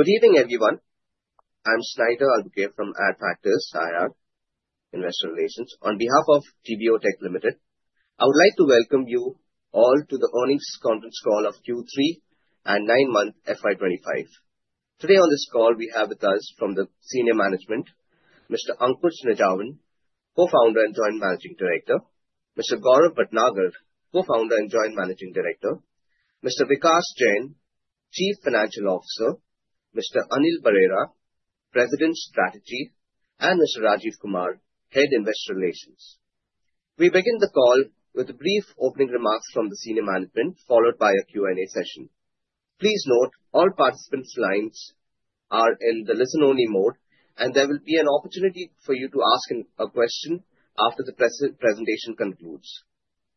Good evening, everyone. I'm Snighter Albuquerque from Adfactors IR, investor relations. On behalf of TBO Tek Limited, I would like to welcome you all to the Earnings Conference Call of Q3 and nine-month FY2025. Today on this call, we have with us from the senior management, Mr. Ankush Nijhawan, Co-founder and Joint Managing Director, Mr. Gaurav Bhatnagar, Co-founder and Joint Managing Director, Mr. Vikas Jain, Chief Financial Officer, Mr. Anil Berera, President of Strategy, and Mr. Rajiv Kumar, Head of Investor Relations. We begin the call with a brief opening remarks from the senior management, followed by a Q&A session. Please note all participants' lines are in the listen-only mode, and there will be an opportunity for you to ask a question after the presentation concludes.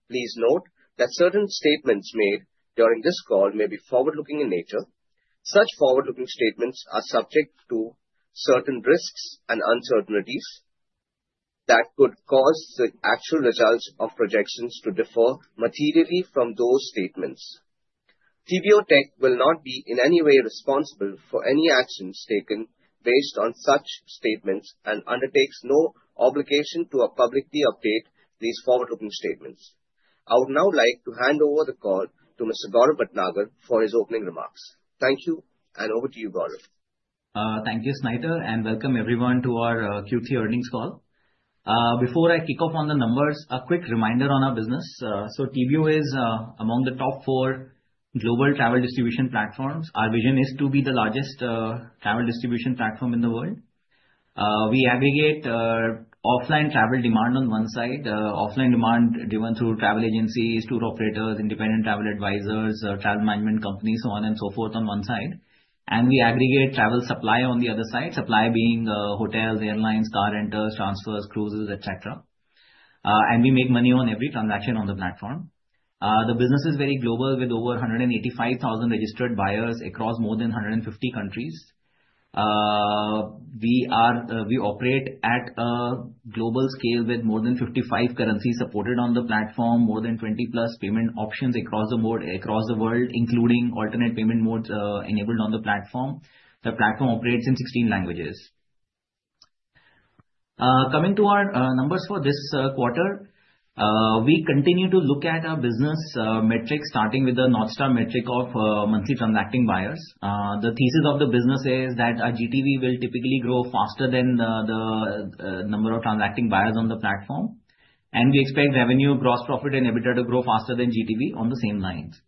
Please note that certain statements made during this call may be forward-looking in nature. Such forward-looking statements are subject to certain risks and uncertainties that could cause the actual results of projections to differ materially from those statements. TBO Tek will not be in any way responsible for any actions taken based on such statements and undertakes no obligation to publicly update these forward-looking statements. I would now like to hand over the call to Mr. Gaurav Bhatnagar for his opening remarks. Thank you, and over to you, Gaurav. Thank you, Snighter, and welcome everyone to our Q3 earnings call. Before I kick off on the numbers, a quick reminder on our business. So TBO is among the top four global travel distribution platforms. Our vision is to be the largest travel distribution platform in the world. We aggregate offline travel demand on one side, offline demand driven through travel agencies, tour operators, independent travel advisors, travel management companies, so on and so forth on one side. And we aggregate travel supply on the other side, supply being hotels, airlines, car rentals, transfers, cruises, etc. And we make money on every transaction on the platform. The business is very global with over 185,000 registered buyers across more than 150 countries. We operate at a global scale with more than 55 currencies supported on the platform, more than 20+ payment options across the world, including alternate payment modes enabled on the platform. The platform operates in 16 languages. Coming to our numbers for this quarter, we continue to look at our business metrics, starting with the North Star metric of monthly transacting buyers. The thesis of the business is that our GTV will typically grow faster than the number of transacting buyers on the platform, and we expect revenue, gross profit, and EBITDA to grow faster than GTV on the same lines,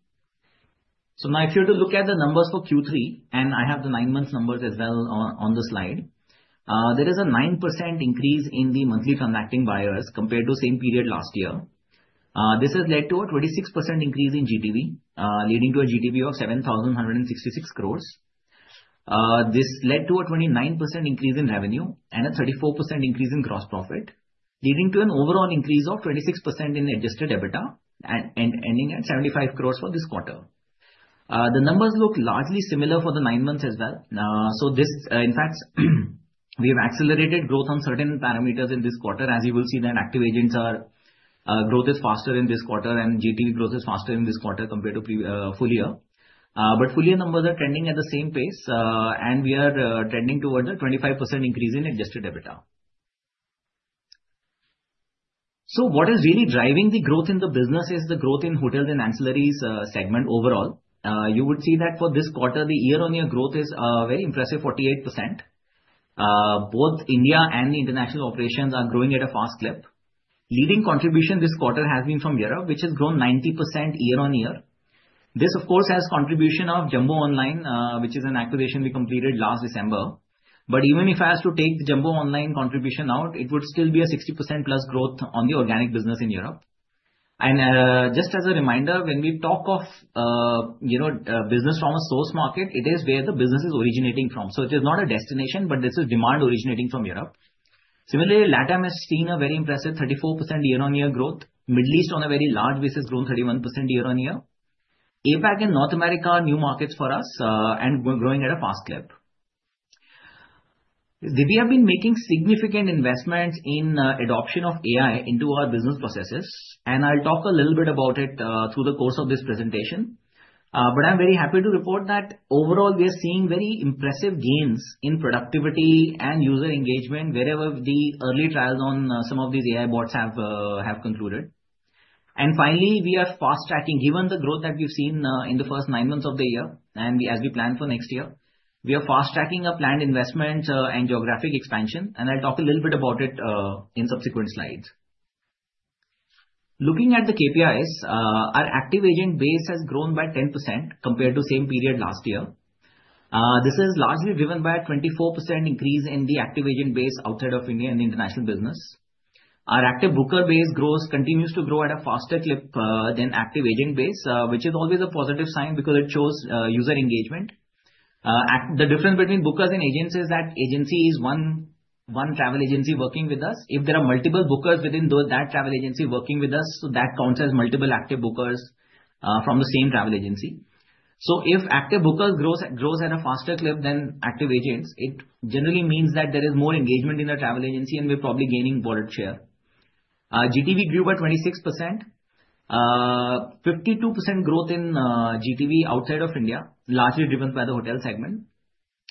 so now, if you were to look at the numbers for Q3, and I have the nine-month numbers as well on the slide, there is a 9% increase in the monthly transacting buyers compared to the same period last year. This has led to a 26% increase in GTV, leading to a GTV of 7,166 crores. This led to a 29% increase in revenue and a 34% increase in gross profit, leading to an overall increase of 26% in Adjusted EBITDA, ending at 75 crores for this quarter. The numbers look largely similar for the nine months as well. So this, in fact, we have accelerated growth on certain parameters in this quarter, as you will see that active agents growth is faster in this quarter, and GTV growth is faster in this quarter compared to full year. But full year numbers are trending at the same pace, and we are trending towards a 25% increase in Adjusted EBITDA. So what is really driving the growth in the business is the growth in hotels and ancillaries segment overall. You would see that for this quarter, the year-on-year growth is very impressive, 48%. Both India and the international operations are growing at a fast clip. Leading contribution this quarter has been from Europe, which has grown 90% year-on-year. This, of course, has contribution of Jumbonline, which is an acquisition we completed last December. But even if I was to take the Jumbonline contribution out, it would still be a 60%-plus growth on the organic business in Europe. And just as a reminder, when we talk of business from a source market, it is where the business is originating from. So it is not a destination, but this is demand originating from Europe. Similarly, LatAm has seen a very impressive 34% year-on-year growth. Middle East, on a very large basis, has grown 31% year-on-year. APAC and North America are new markets for us and growing at a fast clip. We have been making significant investments in the adoption of AI into our business processes, and I'll talk a little bit about it through the course of this presentation, but I'm very happy to report that overall, we are seeing very impressive gains in productivity and user engagement wherever the early trials on some of these AI bots have concluded, and finally, we are fast-tracking, given the growth that we've seen in the first nine months of the year and as we plan for next year, we are fast-tracking our planned investment and geographic expansion, and I'll talk a little bit about it in subsequent slides. Looking at the KPIs, our active agent base has grown by 10% compared to the same period last year. This is largely driven by a 24% increase in the active agent base outside of India in the international business. Our active booker base continues to grow at a faster clip than active agent base, which is always a positive sign because it shows user engagement. The difference between bookers and agents is that agency is one travel agency working with us. If there are multiple bookers within that travel agency working with us, that counts as multiple active bookers from the same travel agency. So if active bookers grow at a faster clip than active agents, it generally means that there is more engagement in the travel agency and we're probably gaining valuable share. GTV grew by 26%. 52% growth in GTV outside of India, largely driven by the hotel segment.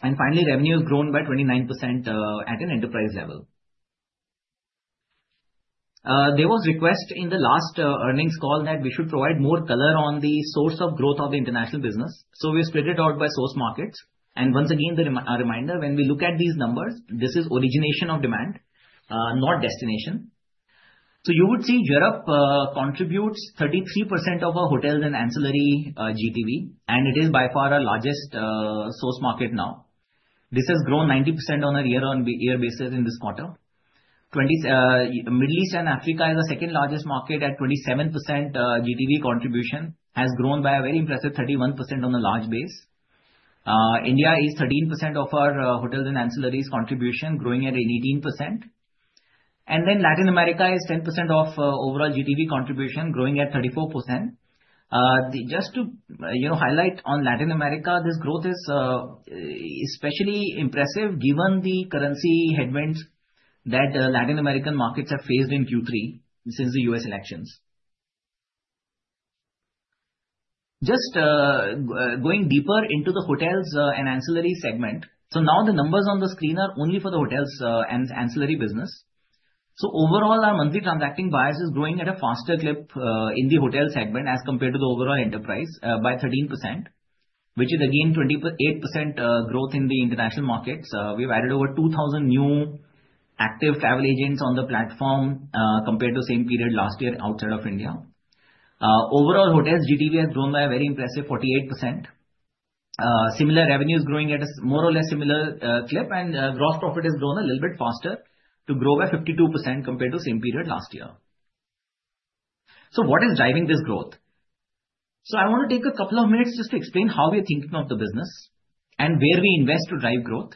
And finally, revenue has grown by 29% at an enterprise level. There was a request in the last earnings call that we should provide more color on the source of growth of the international business. So we split it out by source markets. And once again, a reminder, when we look at these numbers, this is origination of demand, not destination. So you would see Europe contributes 33% of our hotels and ancillary GTV, and it is by far our largest source market now. This has grown 90% on a year-on-year basis in this quarter. Middle East and Africa is the second largest market at 27%. GTV contribution has grown by a very impressive 31% on a large base. India is 13% of our hotels and ancillaries contribution, growing at 18%. And then Latin America is 10% of overall GTV contribution, growing at 34%. Just to highlight on Latin America, this growth is especially impressive given the currency headwinds that Latin American markets have faced in Q3 since the U.S. elections. Just going deeper into the hotels and ancillary segment, so now the numbers on the screen are only for the hotels and ancillary business. So overall, our monthly transacting buyers is growing at a faster clip in the hotel segment as compared to the overall enterprise by 13%, which is again 28% growth in the international markets. We've added over 2,000 new active travel agents on the platform compared to the same period last year outside of India. Overall, hotels GTV has grown by a very impressive 48%. Similar revenue is growing at a more or less similar clip, and gross profit has grown a little bit faster to grow by 52% compared to the same period last year. So what is driving this growth? So I want to take a couple of minutes just to explain how we are thinking of the business and where we invest to drive growth.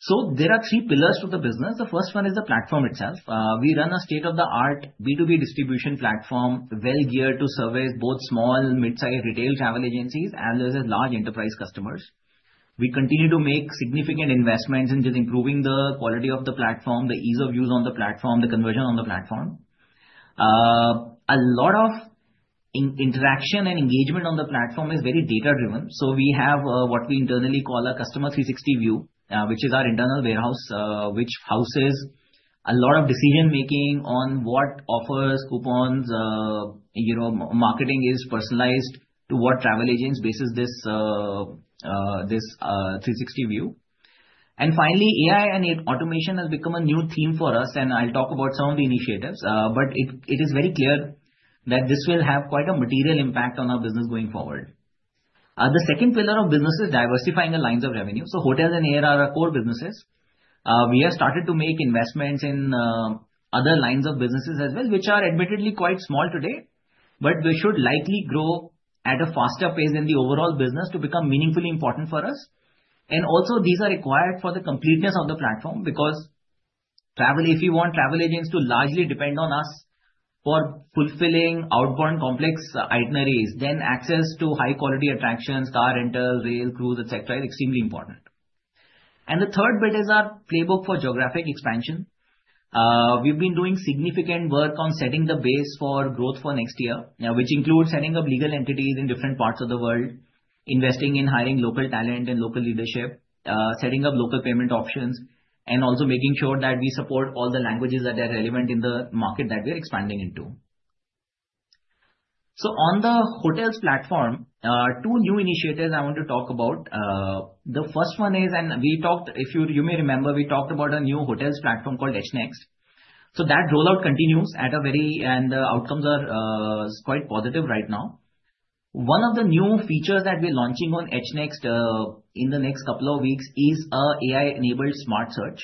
So there are three pillars to the business. The first one is the platform itself. We run a state-of-the-art B2B distribution platform well geared to service both small, mid-sized retail travel agencies as well as large enterprise customers. We continue to make significant investments in just improving the quality of the platform, the ease of use on the platform, the conversion on the platform. A lot of interaction and engagement on the platform is very data-driven. So we have what we internally call a customer 360 view, which is our internal warehouse, which houses a lot of decision-making on what offers, coupons, marketing is personalized to what travel agents basis this 360 view. Finally, AI and automation has become a new theme for us, and I'll talk about some of the initiatives, but it is very clear that this will have quite a material impact on our business going forward. The second pillar of business is diversifying the lines of revenue. Hotels and air are our core businesses. We have started to make investments in other lines of businesses as well, which are admittedly quite small today, but we should likely grow at a faster pace in the overall business to become meaningfully important for us. Also, these are required for the completeness of the platform because if we want travel agents to largely depend on us for fulfilling outbound complex itineraries, then access to high-quality attractions, car rentals, rail cruise, etc., is extremely important. The third bit is our playbook for geographic expansion. We've been doing significant work on setting the base for growth for next year, which includes setting up legal entities in different parts of the world, investing in hiring local talent and local leadership, setting up local payment options, and also making sure that we support all the languages that are relevant in the market that we're expanding into, so on the hotels platform, two new initiatives I want to talk about. The first one is, and we talked, if you may remember, we talked about a new hotels platform called H-Next, so that rollout continues at a very, and the outcomes are quite positive right now. One of the new features that we're launching on H-Next in the next couple of weeks is an AI-enabled smart search.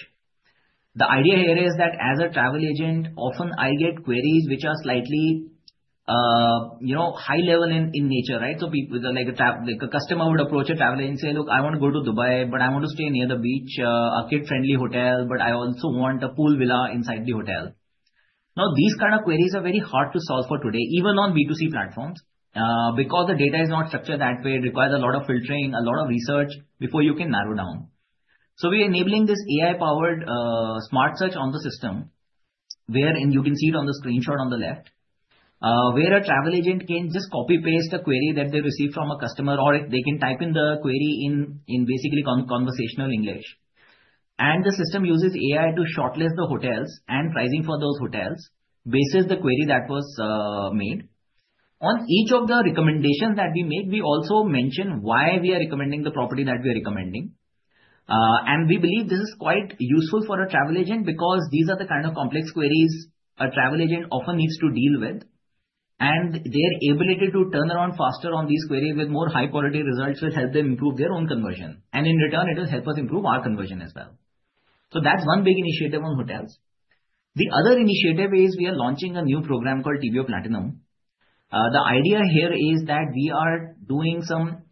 The idea here is that as a travel agent, often I get queries which are slightly high-level in nature, right? So a customer would approach a travel agent and say, "Look, I want to go to Dubai, but I want to stay near the beach, a kid-friendly hotel, but I also want a pool villa inside the hotel." Now, these kinds of queries are very hard to solve for today, even on B2C platforms, because the data is not structured that way. It requires a lot of filtering, a lot of research before you can narrow down. So we are enabling this AI-powered smart search on the system, wherein you can see it on the screenshot on the left, where a travel agent can just copy-paste a query that they received from a customer, or they can type in the query in basically conversational English. And the system uses AI to shortlist the hotels and pricing for those hotels, based on the query that was made. On each of the recommendations that we make, we also mention why we are recommending the property that we are recommending, and we believe this is quite useful for a travel agent because these are the kind of complex queries a travel agent often needs to deal with, and their ability to turn around faster on these queries with more high-quality results will help them improve their own conversion, and in return, it will help us improve our conversion as well, so that's one big initiative on hotels. The other initiative is we are launching a new program called TBO Platinum. The idea here is that we are doing some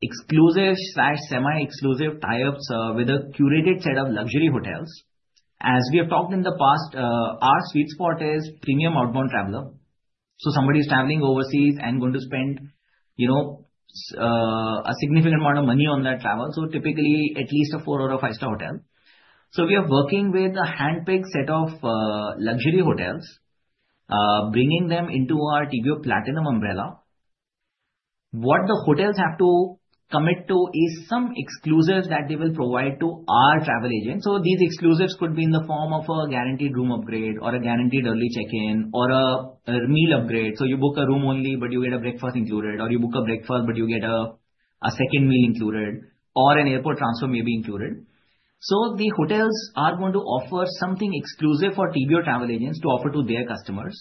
exclusive/semi-exclusive tie-ups with a curated set of luxury hotels. As we have talked in the past, our sweet spot is premium outbound traveler, so somebody is traveling overseas and going to spend a significant amount of money on that travel. So typically, at least a four or a five-star hotel. So we are working with a handpicked set of luxury hotels, bringing them into our TBO Platinum umbrella. What the hotels have to commit to is some exclusives that they will provide to our travel agents. So these exclusives could be in the form of a guaranteed room upgrade or a guaranteed early check-in or a meal upgrade. So you book a room only, but you get a breakfast included, or you book a breakfast, but you get a second meal included, or an airport transfer may be included. So the hotels are going to offer something exclusive for TBO travel agents to offer to their customers.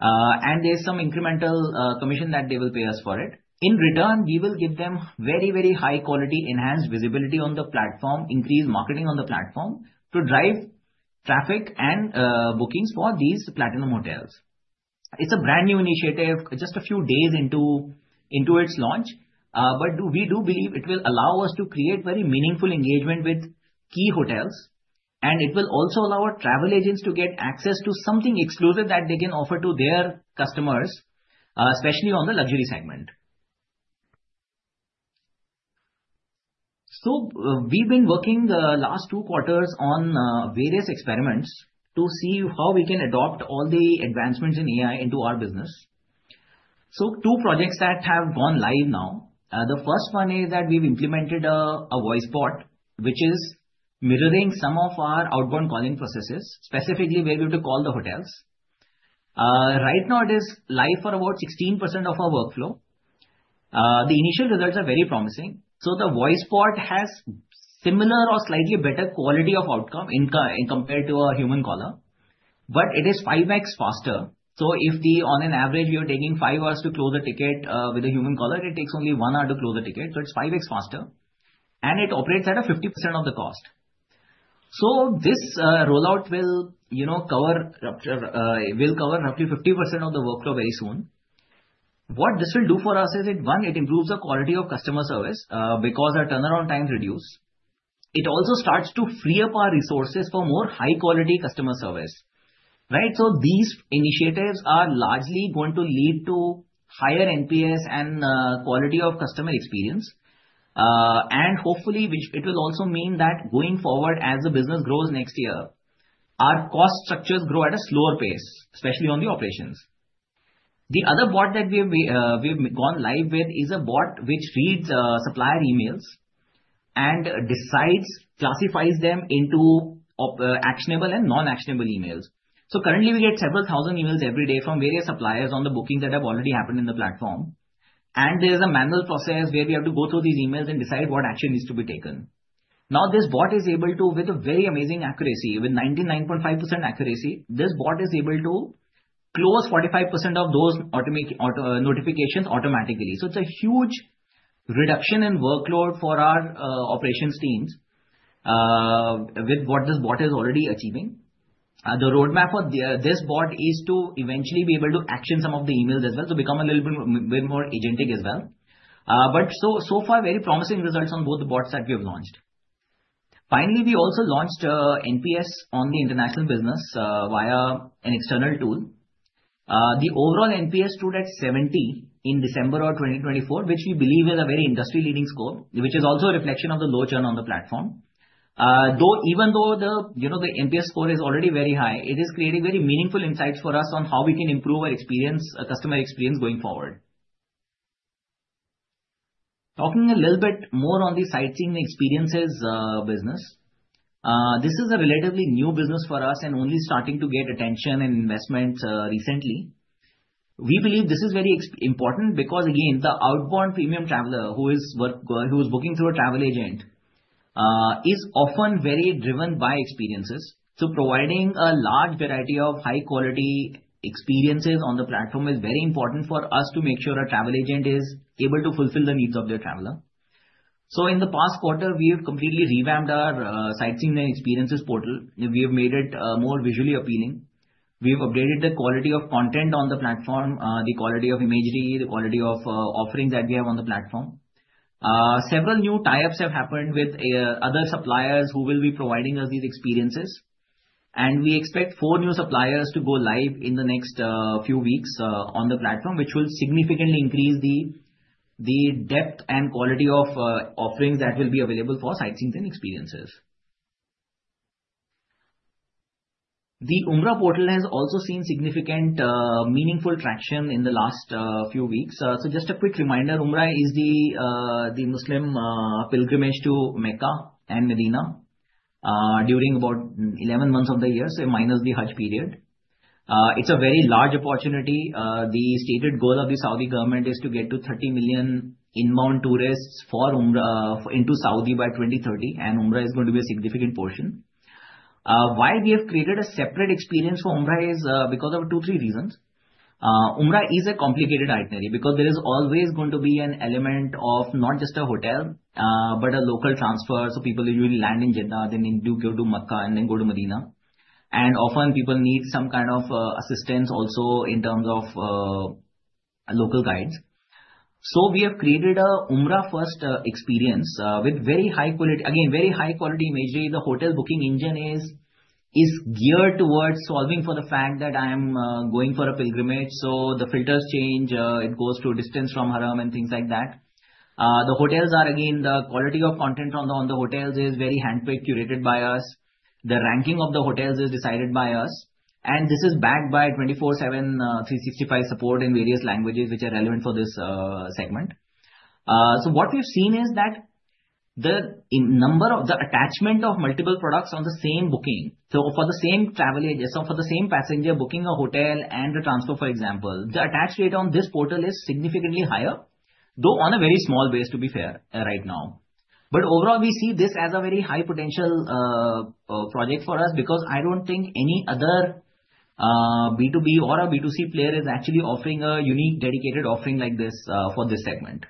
And there's some incremental commission that they will pay us for it. In return, we will give them very, very high-quality enhanced visibility on the platform, increased marketing on the platform to drive traffic and bookings for these Platinum hotels. It's a brand new initiative, just a few days into its launch, but we do believe it will allow us to create very meaningful engagement with key hotels, and it will also allow our travel agents to get access to something exclusive that they can offer to their customers, especially on the luxury segment, so we've been working the last two quarters on various experiments to see how we can adopt all the advancements in AI into our business, so two projects that have gone live now. The first one is that we've implemented a voice bot, which is mirroring some of our outbound calling processes, specifically where we have to call the hotels. Right now, it is live for about 16% of our workflow. The initial results are very promising. So the voice bot has similar or slightly better quality of outcome in comparison to a human caller. But it is 5x faster. So if on average, we are taking 5 hours to close a ticket with a human caller, it takes only 1 hour to close a ticket. So it's 5x faster. And it operates at 50% of the cost. So this rollout will cover roughly 50% of the workflow very soon. What this will do for us is, one, it improves the quality of customer service because our turnaround time is reduced. It also starts to free up our resources for more high-quality customer service. Right? So these initiatives are largely going to lead to higher NPS and quality of customer experience. Hopefully, it will also mean that going forward, as the business grows next year, our cost structures grow at a slower pace, especially on the operations. The other bot that we've gone live with is a bot which reads supplier emails and classifies them into actionable and non-actionable emails. So currently, we get several thousand emails every day from various suppliers on the bookings that have already happened in the platform. And there is a manual process where we have to go through these emails and decide what action needs to be taken. Now, this bot is able to, with a very amazing accuracy, with 99.5% accuracy, this bot is able to close 45% of those notifications automatically. So it's a huge reduction in workload for our operations teams with what this bot is already achieving. The roadmap for this bot is to eventually be able to action some of the emails as well, to become a little bit more agentic as well, but so far, very promising results on both the bots that we have launched. Finally, we also launched NPS on the international business via an external tool. The overall NPS stood at 70 in December of 2024, which we believe is a very industry-leading score, which is also a reflection of the low churn on the platform. Though even though the NPS score is already very high, it is creating very meaningful insights for us on how we can improve our customer experience going forward. Talking a little bit more on the sightseeing experiences business, this is a relatively new business for us and only starting to get attention and investment recently. We believe this is very important because, again, the outbound premium traveler who is booking through a travel agent is often very driven by experiences. So providing a large variety of high-quality experiences on the platform is very important for us to make sure a travel agent is able to fulfill the needs of their traveler. So in the past quarter, we have completely revamped our sightseeing and experiences portal. We have made it more visually appealing. We have updated the quality of content on the platform, the quality of imagery, the quality of offerings that we have on the platform. Several new tie-ups have happened with other suppliers who will be providing us these experiences. We expect four new suppliers to go live in the next few weeks on the platform, which will significantly increase the depth and quality of offerings that will be available for sightseeing and experiences. The Umrah portal has also seen significant, meaningful traction in the last few weeks. Just a quick reminder, Umrah is the Muslim pilgrimage to Mecca and Medina during about 11 months of the year, so minus the Hajj period. It's a very large opportunity. The stated goal of the Saudi government is to get to 30 million inbound tourists into Saudi by 2030, and Umrah is going to be a significant portion. Why we have created a separate experience for Umrah is because of two, three reasons. Umrah is a complicated itinerary because there is always going to be an element of not just a hotel, but a local transfer. So people usually land in Jeddah, then go to Mecca, and then go to Medina. And often, people need some kind of assistance also in terms of local guides. So we have created an Umrah-first experience with very high-quality, again, very high-quality imagery. The hotel booking engine is geared towards solving for the fact that I am going for a pilgrimage. So the filters change. It goes to distance from Haram and things like that. The hotels are, again, the quality of content on the hotels is very handpicked, curated by us. The ranking of the hotels is decided by us. And this is backed by 24/7 365 support in various languages which are relevant for this segment. So what we've seen is that the number of the attachment of multiple products on the same booking, so for the same travel agent, so for the same passenger booking a hotel and a transfer, for example, the attached data on this portal is significantly higher, though on a very small base, to be fair, right now. But overall, we see this as a very high-potential project for us because I don't think any other B2B or a B2C player is actually offering a unique dedicated offering like this for this segment.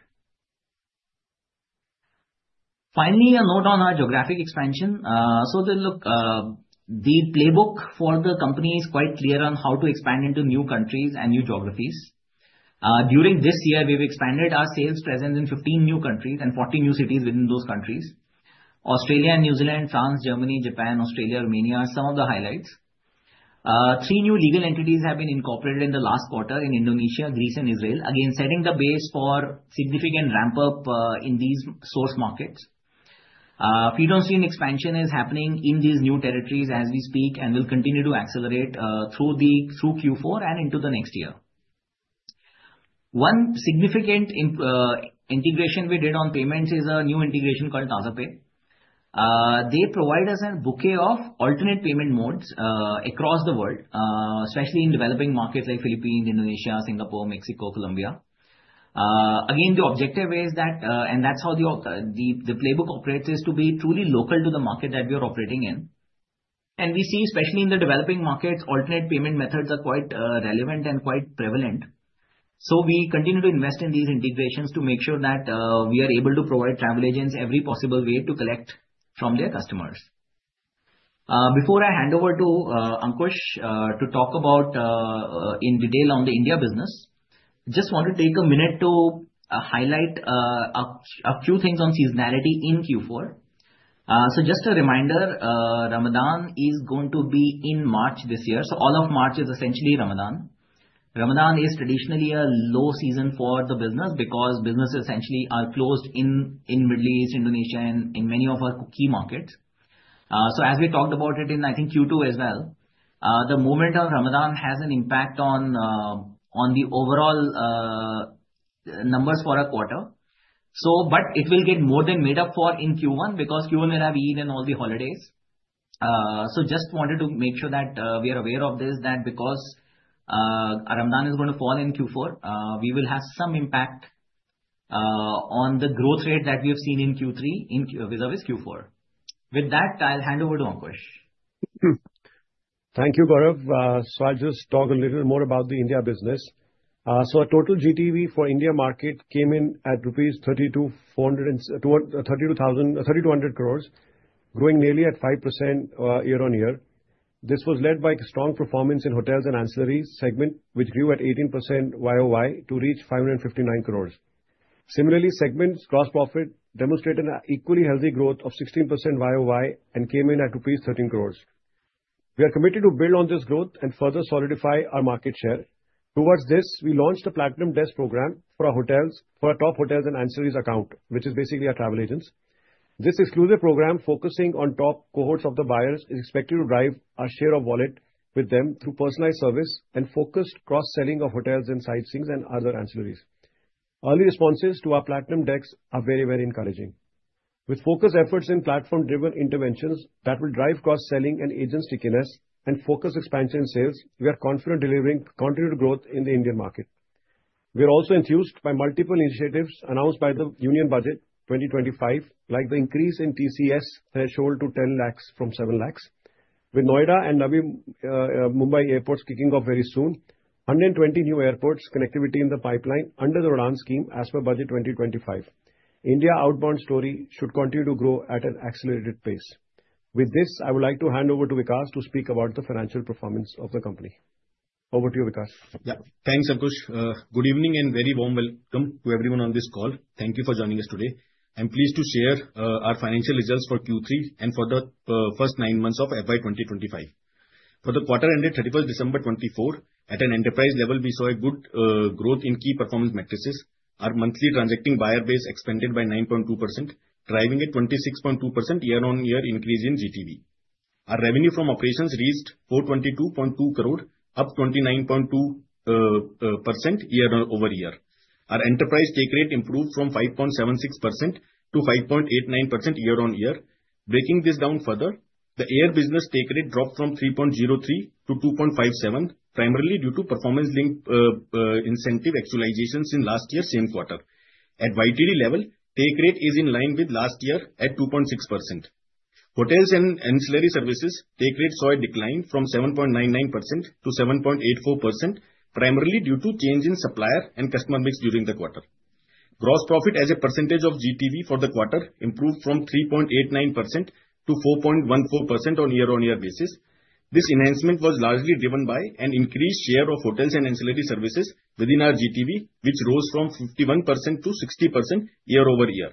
Finally, a note on our geographic expansion. So the playbook for the company is quite clear on how to expand into new countries and new geographies. During this year, we've expanded our sales presence in 15 new countries and 40 new cities within those countries. Australia and New Zealand, France, Germany, Japan, Australia, Romania are some of the highlights. Three new legal entities have been incorporated in the last quarter in Indonesia, Greece, and Israel, again, setting the base for significant ramp-up in these source markets. Footprint expansion is happening in these new territories as we speak and will continue to accelerate through Q4 and into the next year. One significant integration we did on payments is a new integration called Tazapay. They provide us a bouquet of alternate payment modes across the world, especially in developing markets like Philippines, Indonesia, Singapore, Mexico, Colombia. Again, the objective is that, and that's how the playbook operates, is to be truly local to the market that we are operating in. And we see, especially in the developing markets, alternate payment methods are quite relevant and quite prevalent. We continue to invest in these integrations to make sure that we are able to provide travel agents every possible way to collect from their customers. Before I hand over to Ankush to talk about in detail on the India business, I just want to take a minute to highlight a few things on seasonality in Q4. Just a reminder, Ramadan is going to be in March this year. All of March is essentially Ramadan. Ramadan is traditionally a low season for the business because businesses essentially are closed in the Middle East, Indonesia, and in many of our key markets. As we talked about it in, I think, Q2 as well, the month of Ramadan has an impact on the overall numbers for a quarter. But it will get more than made up for in Q1 because Q1 will have Eid and all the holidays. So just wanted to make sure that we are aware of this, that because Ramadan is going to fall in Q4, we will have some impact on the growth rate that we have seen in Q3 vis-à-vis Q4. With that, I'll hand over to Ankush. Thank you, Gaurav. So I'll just talk a little more about the India business. So a total GTV for India market came in at rupees 32,000, growing nearly at 5% year-on-year. This was led by strong performance in hotels and ancillary segment, which grew at 18% YOY to reach 559 crores. Similarly, segments' gross profit demonstrated an equally healthy growth of 16% YOY and came in at rupees 13 crores. We are committed to build on this growth and further solidify our market share. Towards this, we launched a Platinum Desk program for our top hotels and ancillaries account, which is basically our travel agents. This exclusive program, focusing on top cohorts of the buyers, is expected to drive our share of wallet with them through personalized service and focused cross-selling of hotels and sightseeing and other ancillaries. Early responses to our Platinum Desk are very, very encouraging. With focused efforts in platform-driven interventions that will drive cross-selling and agents stickiness and focused expansion in sales, we are confident in delivering continued growth in the Indian market. We are also enthused by multiple initiatives announced by the Union Budget 2025, like the increase in TCS threshold to 10 lakhs from 7 lakhs, with Noida and Mumbai airports kicking off very soon, 120 new airports connectivity in the pipeline under the UDAN scheme as per Budget 2025. India outbound story should continue to grow at an accelerated pace. With this, I would like to hand over to Vikas to speak about the financial performance of the company. Over to you, Vikas. Yeah, thanks, Ankush. Good evening and very warm welcome to everyone on this call. Thank you for joining us today. I'm pleased to share our financial results for Q3 and for the first nine months of FY 2025. For the quarter ended 31st December 2024, at an enterprise level, we saw a good growth in key performance metrics. Our monthly transacting buyer base expanded by 9.2%, driving a 26.2% year-on-year increase in GTV. Our revenue from operations reached 422.2 crore, up 29.2% year-over-year. Our enterprise take rate improved from 5.76% to 5.89% year-on-year. Breaking this down further, the air business take rate dropped from 3.03% to 2.57%, primarily due to performance-linked incentive actualization since last year's same quarter. At YTD level, take rate is in line with last year at 2.6%. Hotels and ancillary services take rate saw a decline from 7.99% to 7.84%, primarily due to change in supplier and customer mix during the quarter. Gross profit as a percentage of GTV for the quarter improved from 3.89% to 4.14% on year-on-year basis. This enhancement was largely driven by an increased share of hotels and ancillary services within our GTV, which rose from 51% to 60% year-over-year.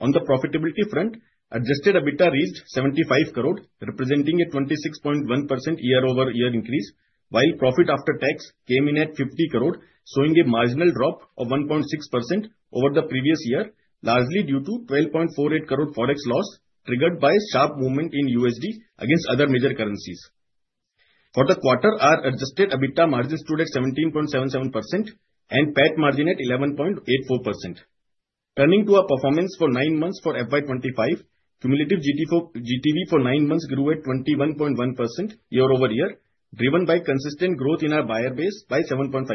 On the profitability front, adjusted EBITDA reached ₹75 crore, representing a 26.1% year-over-year increase, while profit after tax came in at ₹50 crore, showing a marginal drop of 1.6% over the previous year, largely due to ₹12.48 crore forex loss triggered by sharp movement in USD against other major currencies. For the quarter, our adjusted EBITDA margin stood at 17.77% and PAT margin at 11.84%. Turning to our performance for nine months for FY 25, cumulative GTV for nine months grew at 21.1% year-over-year, driven by consistent growth in our buyer base by 7.5%.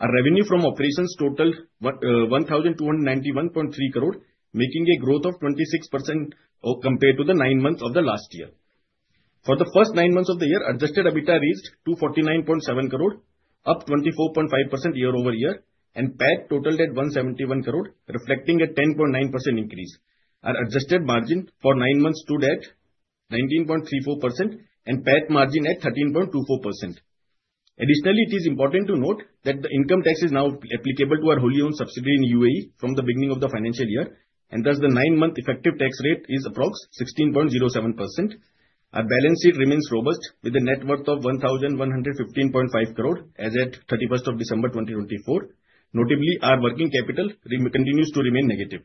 Our revenue from operations totaled INR 1,291.3 crore, making a growth of 26% compared to the nine months of the last year. For the first nine months of the year, adjusted EBITDA reached 249.7 crore, up 24.5% year-over-year, and PAT totaled at 171 crore, reflecting a 10.9% increase. Our adjusted margin for nine months stood at 19.34% and PAT margin at 13.24%. Additionally, it is important to note that the income tax is now applicable to our wholly-owned subsidiary in UAE from the beginning of the financial year, and thus the nine-month effective tax rate is approximately 16.07%. Our balance sheet remains robust with a net worth of 1,115.5 crore as at 31st December 2024. Notably, our working capital continues to remain negative.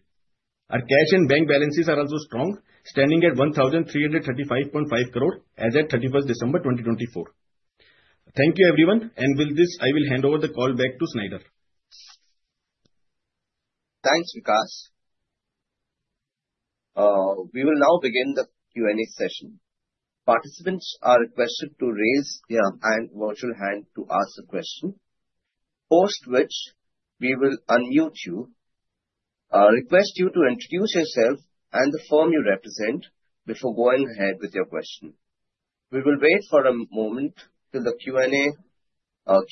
Our cash and bank balances are also strong, standing at ₹1,335.5 crore as at 31st December 2024. Thank you, everyone. And with this, I will hand over the call back to Snighter. Thanks, Vikas. We will now begin the Q&A session. Participants are requested to raise their hand, virtual hand to ask a question. Post which, we will unmute you, request you to introduce yourself and the firm you represent before going ahead with your question. We will wait for a moment till the Q&A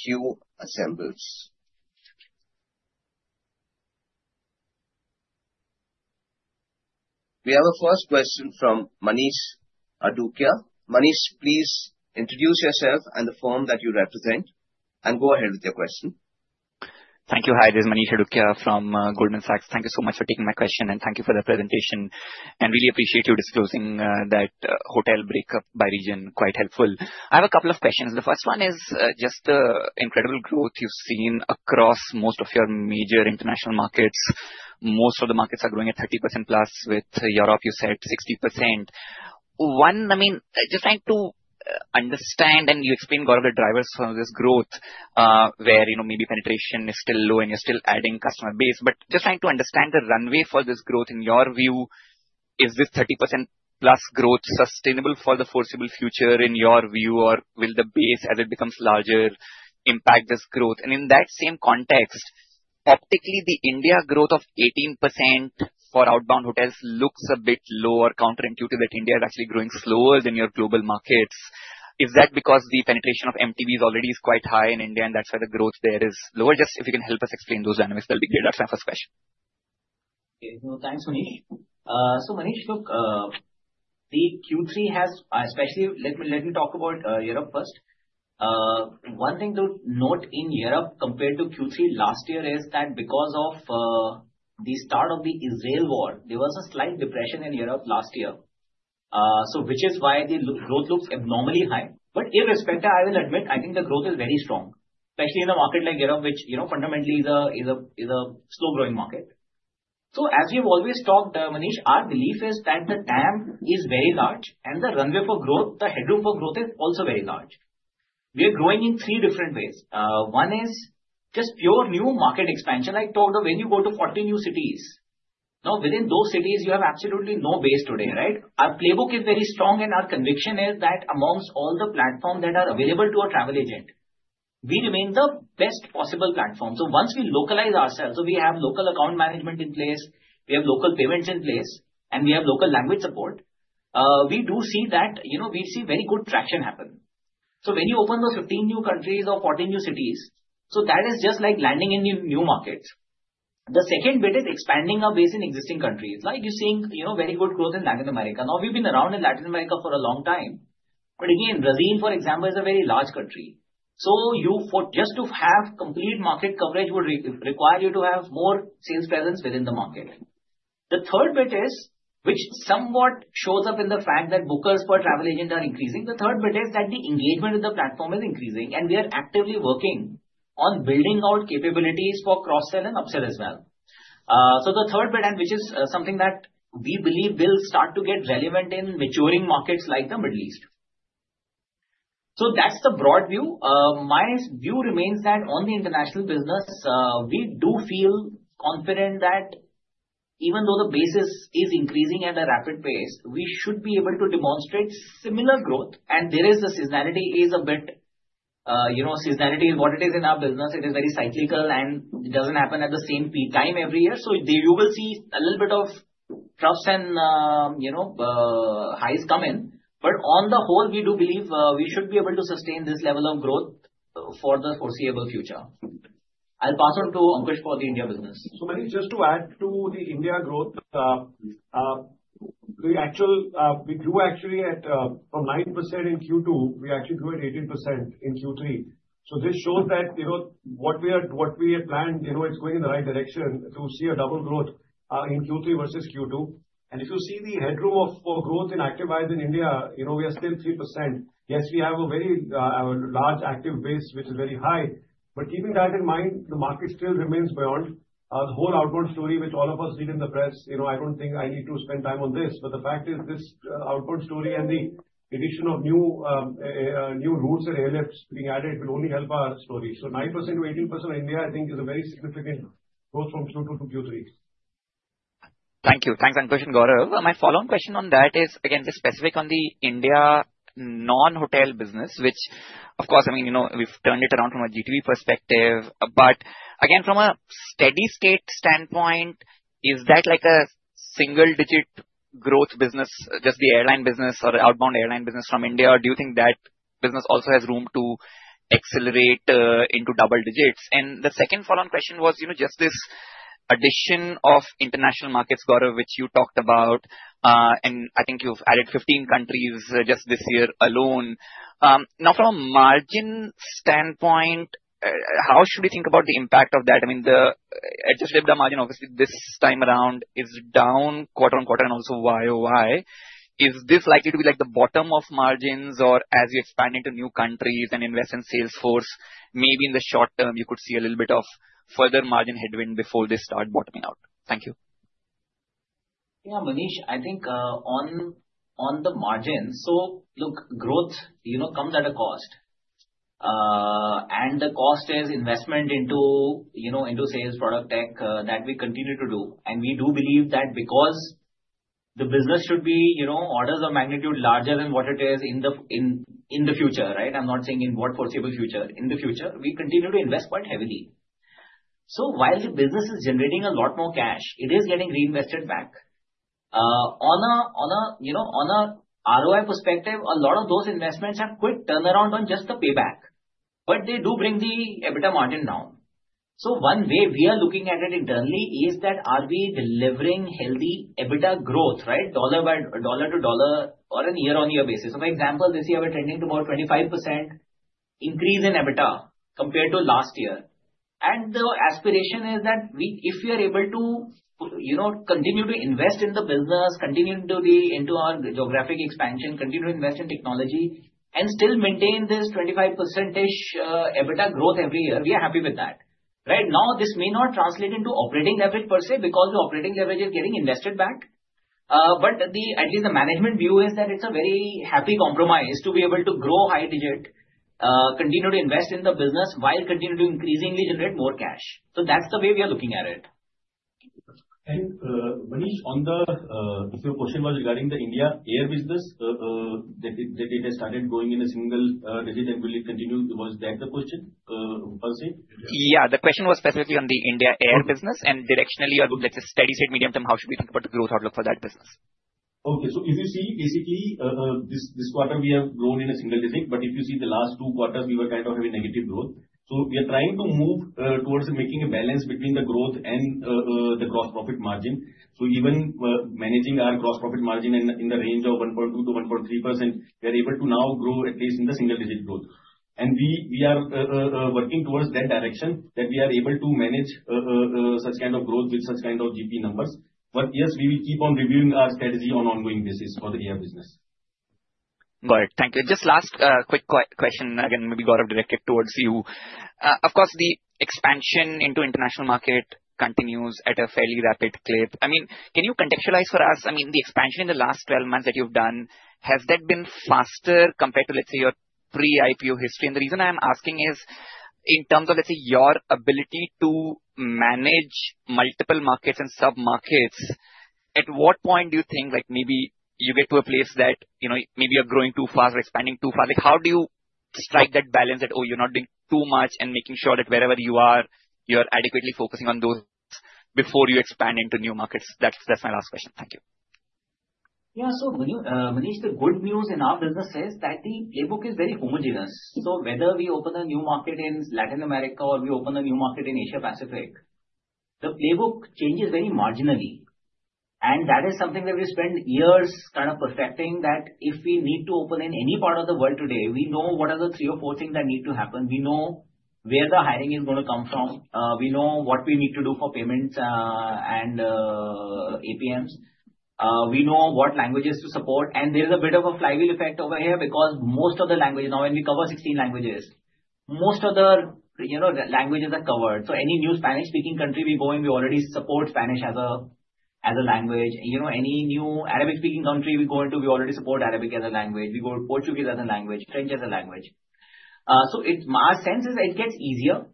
queue assembles. We have a first question from Manish Adukia. Manish, please introduce yourself and the firm that you represent, and go ahead with your question. Thank you. Hi, this is Manish Adukia from Goldman Sachs. Thank you so much for taking my question, and thank you for the presentation. I really appreciate you disclosing that hotel breakdown by region. Quite helpful. I have a couple of questions. The first one is just the incredible growth you've seen across most of your major international markets. Most of the markets are growing at 30% plus with Europe, you said, 60%. One, I mean, just trying to understand, and you explained, Gaurav, the drivers for this growth, where maybe penetration is still low and you're still adding customer base. But just trying to understand the runway for this growth in your view, is this 30% plus growth sustainable for the foreseeable future in your view, or will the base, as it becomes larger, impact this growth? And in that same context, optically, the India growth of 18% for outbound hotels looks a bit low or counterintuitive that India is actually growing slower than your global markets. Is that because the penetration of MTBs already is quite high in India, and that's why the growth there is lower? Just if you can help us explain those dynamics, that'll be great. That's my first question. Thanks, Manish. So Manish, look, the Q3 has especially let me talk about Europe first. One thing to note in Europe compared to Q3 last year is that because of the start of the Israel war, there was a slight depression in Europe last year, which is why the growth looks abnormally high. But irrespective, I will admit, I think the growth is very strong, especially in a market like Europe, which fundamentally is a slow-growing market. So as we've always talked, Manish, our belief is that the TAM is very large, and the runway for growth, the headroom for growth is also very large. We are growing in three different ways. One is just pure new market expansion. I talked of when you go to 40 new cities, now within those cities, you have absolutely no base today, right? Our playbook is very strong, and our conviction is that amongst all the platforms that are available to our travel agent, we remain the best possible platform. So once we localize ourselves, so we have local account management in place, we have local payments in place, and we have local language support, we do see that we see very good traction happen. So when you open those 15 new countries or 40 new cities, so that is just like landing in new markets. The second bit is expanding our base in existing countries. Like you're seeing very good growth in Latin America. Now, we've been around in Latin America for a long time. But again, Brazil, for example, is a very large country. So just to have complete market coverage would require you to have more sales presence within the market. The third bit is, which somewhat shows up in the fact that bookers per travel agent are increasing. The third bit is that the engagement with the platform is increasing, and we are actively working on building out capabilities for cross-sell and upsell as well. So the third bit, and which is something that we believe will start to get relevant in maturing markets like the Middle East. So that's the broad view. My view remains that on the international business, we do feel confident that even though the basis is increasing at a rapid pace, we should be able to demonstrate similar growth. And there is seasonality. It's a bit. Seasonality is what it is in our business. It is very cyclical, and it doesn't happen at the same time every year, so you will see a little bit of troughs and highs come in. But on the whole, we do believe we should be able to sustain this level of growth for the foreseeable future. I'll pass on to Ankush for the India business. Manish, just to add to the India growth, we grew actually from 9% in Q2; we actually grew at 18% in Q3. This shows that what we had planned; it's going in the right direction to see a double growth in Q3 versus Q2. If you see the headroom for growth in active agents in India, we are still 3%. Yes, we have a very large active base, which is very high. But keeping that in mind, the market still remains beyond the whole outbound story which all of us read in the press. I don't think I need to spend time on this. But the fact is this outbound story and the addition of new routes and airlifts being added will only help our story. So 9% to 18% in India, I think, is a very significant growth from Q2 to Q3. Thank you. Thanks, Ankush and Gaurav. My follow-on question on that is, again, just specific on the India non-hotel business, which, of course, I mean, we've turned it around from a GTV perspective. But again, from a steady-state standpoint, is that like a single-digit growth business, just the airline business or the outbound airline business from India? Or do you think that business also has room to accelerate into double digits? And the second follow-on question was just this addition of international markets, Gaurav, which you talked about. And I think you've added 15 countries just this year alone. Now, from a margin standpoint, how should we think about the impact of that? I mean, the Adjusted EBITDA margin, obviously, this time around is down quarter on quarter and also YOY. Is this likely to be like the bottom of margins, or as you expand into new countries and invest in salesforce, maybe in the short term, you could see a little bit of further margin headwind before they start bottoming out? Thank you. Yeah, Manish, I think on the margins, so look, growth comes at a cost. And the cost is investment into sales, product, tech that we continue to do. We do believe that because the business should be orders of magnitude larger than what it is in the future, right? I'm not saying in what foreseeable future. In the future, we continue to invest quite heavily. So while the business is generating a lot more cash, it is getting reinvested back. On an ROI perspective, a lot of those investments have quick turnaround on just the payback. But they do bring the EBITDA margin down. So one way we are looking at it internally is that are we delivering healthy EBITDA growth, right? Dollar to dollar or a year-on-year basis. So for example, this year, we're tending to more 25% increase in EBITDA compared to last year. The aspiration is that if we are able to continue to invest in the business, continue to be into our geographic expansion, continue to invest in technology, and still maintain this 25% EBITDA growth every year, we are happy with that. Right now, this may not translate into operating leverage per se because the operating leverage is getting invested back. At least the management view is that it's a very happy compromise to be able to grow high digit, continue to invest in the business while continue to increasingly generate more cash. That's the way we are looking at it. Manish, on the question was regarding the India air business, that it has started growing in a single digit and will it continue? Was that the question per se? Yeah, the question was specifically on the India air business. Directionally, let's say steady-state medium term, how should we think about the growth outlook for that business? Okay, so if you see, basically, this quarter, we have grown in a single digit. But if you see the last two quarters, we were kind of having negative growth. So we are trying to move towards making a balance between the growth and the gross profit margin. So even managing our gross profit margin in the range of 1.2%-1.3%, we are able to now grow at least in the single-digit growth. And we are working towards that direction that we are able to manage such kind of growth with such kind of GP numbers. But yes, we will keep on reviewing our strategy on an ongoing basis for the air business. Got it. Thank you. Just last quick question, again, maybe Gaurav directed towards you. Of course, the expansion into international market continues at a fairly rapid clip. I mean, can you contextualize for us? I mean, the expansion in the last 12 months that you've done, has that been faster compared to, let's say, your pre-IPO history? And the reason I'm asking is in terms of, let's say, your ability to manage multiple markets and sub-markets, at what point do you think maybe you get to a place that maybe you're growing too far or expanding too far? How do you strike that balance that, oh, you're not doing too much and making sure that wherever you are, you're adequately focusing on those before you expand into new markets? That's my last question. Thank you. Yeah, so Manish, the good news in our business is that the playbook is very homogeneous. So whether we open a new market in Latin America or we open a new market in Asia-Pacific, the playbook changes very marginally. And that is something that we spend years kind of perfecting that if we need to open in any part of the world today, we know what are the three or four things that need to happen. We know where the hiring is going to come from. We know what we need to do for payments and APMs. We know what languages to support. And there's a bit of a flywheel effect over here because most of the languages now, when we cover 16 languages, most of the languages are covered. So any new Spanish-speaking country we go in, we already support Spanish as a language. Any new Arabic-speaking country we go into, we already support Arabic as a language. We go to Portuguese as a language, French as a language. So our sense is it gets easier.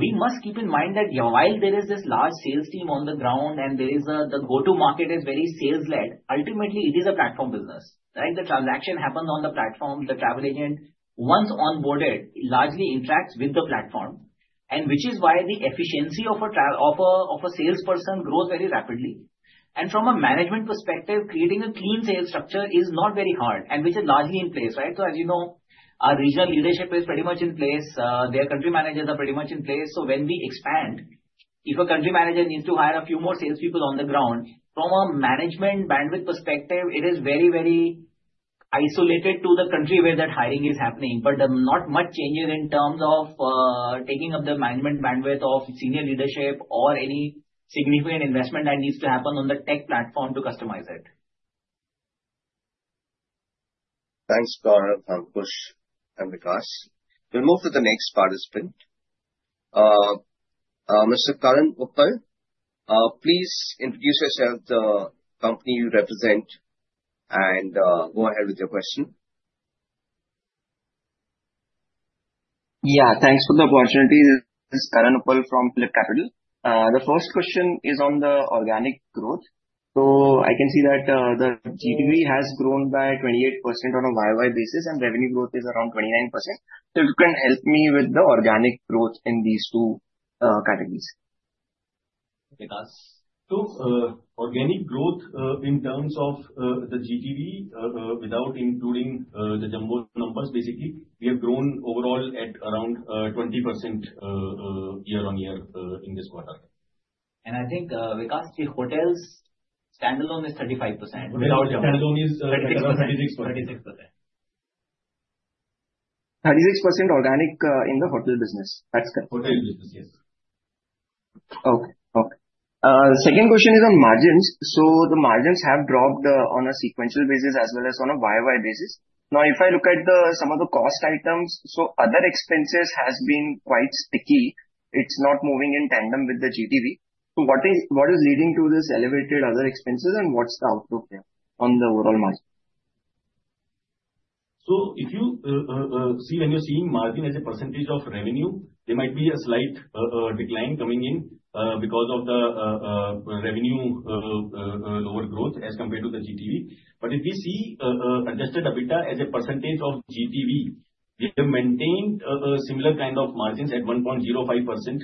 We must keep in mind that while there is this large sales team on the ground and the go-to market is very sales-led, ultimately, it is a platform business. The transaction happens on the platform. The travel agent, once onboarded, largely interacts with the platform, which is why the efficiency of a salesperson grows very rapidly. And from a management perspective, creating a clean sales structure is not very hard, and which is largely in place, right? So as you know, our regional leadership is pretty much in place. Their country managers are pretty much in place. So when we expand, if a country manager needs to hire a few more salespeople on the ground, from a management bandwidth perspective, it is very, very isolated to the country where that hiring is happening. But not much changes in terms of taking up the management bandwidth of senior leadership or any significant investment that needs to happen on the tech platform to customize it. Thanks, Gaurav, Ankush, and Vikas. We'll move to the next participant. Mr. Karan Uppal, please introduce yourself, the company you represent, and go ahead with your question. Yeah, thanks for the opportunity. This is Karan Uppal from PhillipCapital. The first question is on the organic growth. So I can see that the GTV has grown by 28% on a YOY basis, and revenue growth is around 29%. So you can help me with the organic growth in these two categories. Vikas. Organic growth in terms of the GTV, without including the Jumbo numbers, basically, we have grown overall at around 20% year-on-year in this quarter. And I think, Vikas, the hotels standalone is 35%. Without Jumbo. Standalone is 36%. 36%. 36% organic in the hotel business. That's correct. Hotel business, yes. Okay. Second question is on margins. So the margins have dropped on a sequential basis as well as on a YOY basis. Now, if I look at some of the cost items, so other expenses have been quite sticky. It's not moving in tandem with the GTV. So what is leading to this elevated other expenses, and what's the outlook there on the overall margin? So if you see, when you're seeing margin as a percentage of revenue, there might be a slight decline coming in because of the revenue overgrowth as compared to the GTV. But if we see adjusted EBITDA as a percentage of GTV, we have maintained a similar kind of margins at 1.05%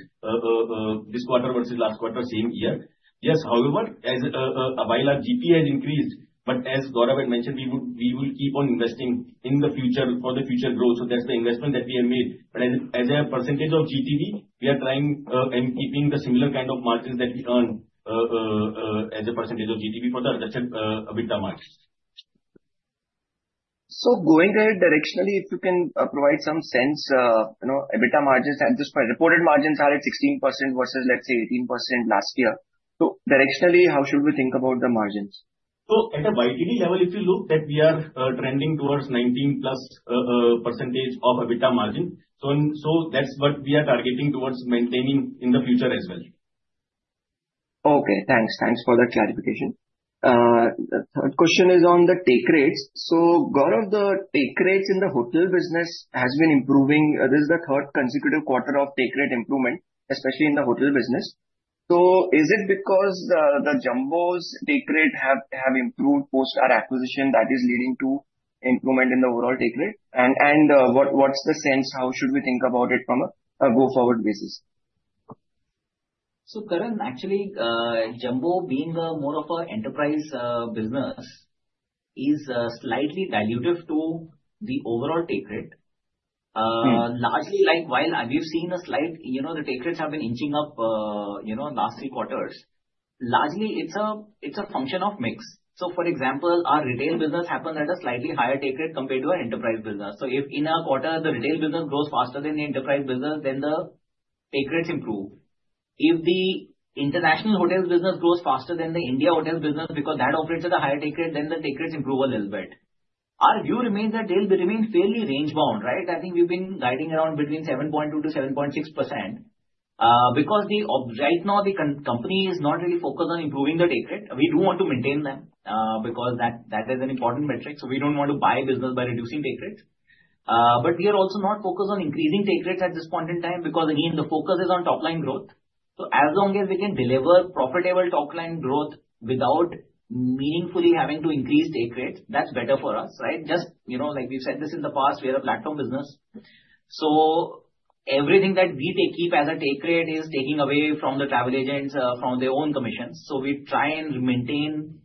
this quarter versus last quarter, same year. Yes, however, while our GP has increased, but as Gaurav had mentioned, we will keep on investing in the future for the future growth. So that's the investment that we have made. But as a percentage of GTV, we are trying and keeping the similar kind of margins that we earn as a percentage of GTV for the adjusted EBITDA margins. So going ahead directionally, if you can provide some sense, EBITDA margins at this point, reported margins are at 16% versus, let's say, 18% last year. So directionally, how should we think about the margins? So at a YTD level, if you look, that we are trending towards 19%+ EBITDA margin. So that's what we are targeting towards maintaining in the future as well. Okay. Thanks. Thanks for the clarification. The third question is on the take rates. So Gaurav, the take rates in the hotel business have been improving. This is the third consecutive quarter of take rate improvement, especially in the hotel business. So is it because the Jumbo's take rate have improved post our acquisition that is leading to improvement in the overall take rate? And what's the sense? How should we think about it from a go-forward basis? So Karan, actually, Jumbo being more of an enterprise business is slightly dilutive to the overall take rate. Largely, while we've seen a slight, the take rates have been inching up in the last three quarters, largely, it's a function of mix. So for example, our retail business happens at a slightly higher take rate compared to our enterprise business. So if in a quarter, the retail business grows faster than the enterprise business, then the take rates improve. If the international hotel business grows faster than the India hotel business because that operates at a higher take rate, then the take rates improve a little bit. Our view remains that they'll remain fairly range-bound, right? I think we've been guiding around between 7.2%-7.6%. Because right now, the company is not really focused on improving the take rate. We do want to maintain them because that is an important metric. So we don't want to buy business by reducing take rates. But we are also not focused on increasing take rates at this point in time because, again, the focus is on top-line growth. So as long as we can deliver profitable top-line growth without meaningfully having to increase take rates, that's better for us, right? Just like we've said this in the past, we are a platform business. So everything that we keep as a take rate is taking away from the travel agents from their own commissions. So we try and maintain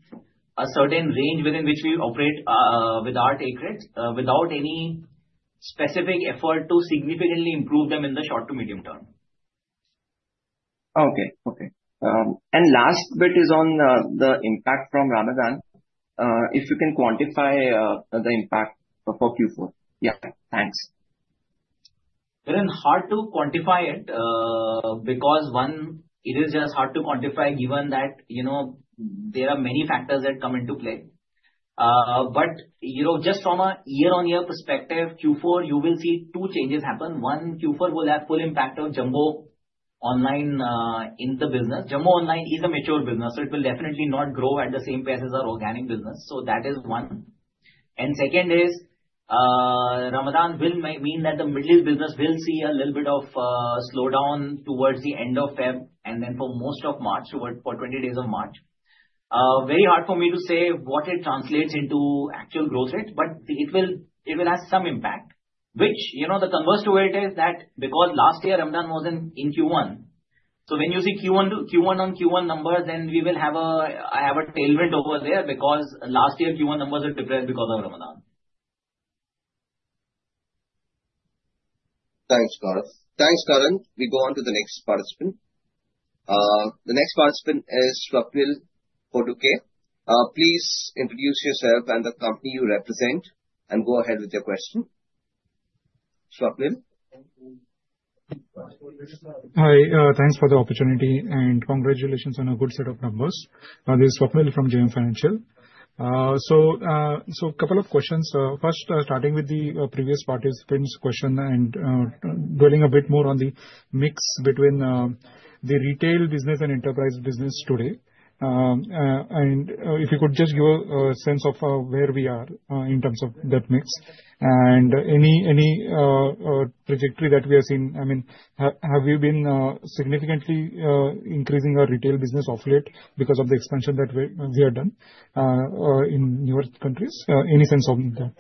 a certain range within which we operate with our take rates without any specific effort to significantly improve them in the short to medium term. Okay. Okay. And last bit is on the impact from Ramadan. If you can quantify the impact for Q4. Yeah. Thanks. Karan, hard to quantify it because, one, it is just hard to quantify given that there are many factors that come into play. But just from a year-on-year perspective, Q4, you will see two changes happen. One, Q4 will have full impact of Jumbonline in the business. Jumbonline is a mature business, so it will definitely not grow at the same pace as our organic business. So that is one, and second is, Ramadan will mean that the Middle East business will see a little bit of slowdown towards the end of February and then for most of March for 20 days of March. Very hard for me to say what it translates into actual growth rate, but it will have some impact, which the converse to it is that because last year, Ramadan was in Q1. So when you see Q1 on Q1 numbers, then we will have a tailwind over there because last year, Q1 numbers were depressed because of Ramadan. Thanks, Gaurav. Thanks, Karan. We go on to the next participant. The next participant is Swapnil Potdukhe. Please introduce yourself and the company you represent and go ahead with your question. Swapnil. Hi. Thanks for the opportunity and congratulations on a good set of numbers. This is Swapnil from JM Financial. So a couple of questions. First, starting with the previous participant's question and dwelling a bit more on the mix between the retail business and enterprise business today. And if you could just give a sense of where we are in terms of that mix and any trajectory that we have seen. I mean, have we been significantly increasing our retail business of late because of the expansion that we have done in your countries? Any sense of that?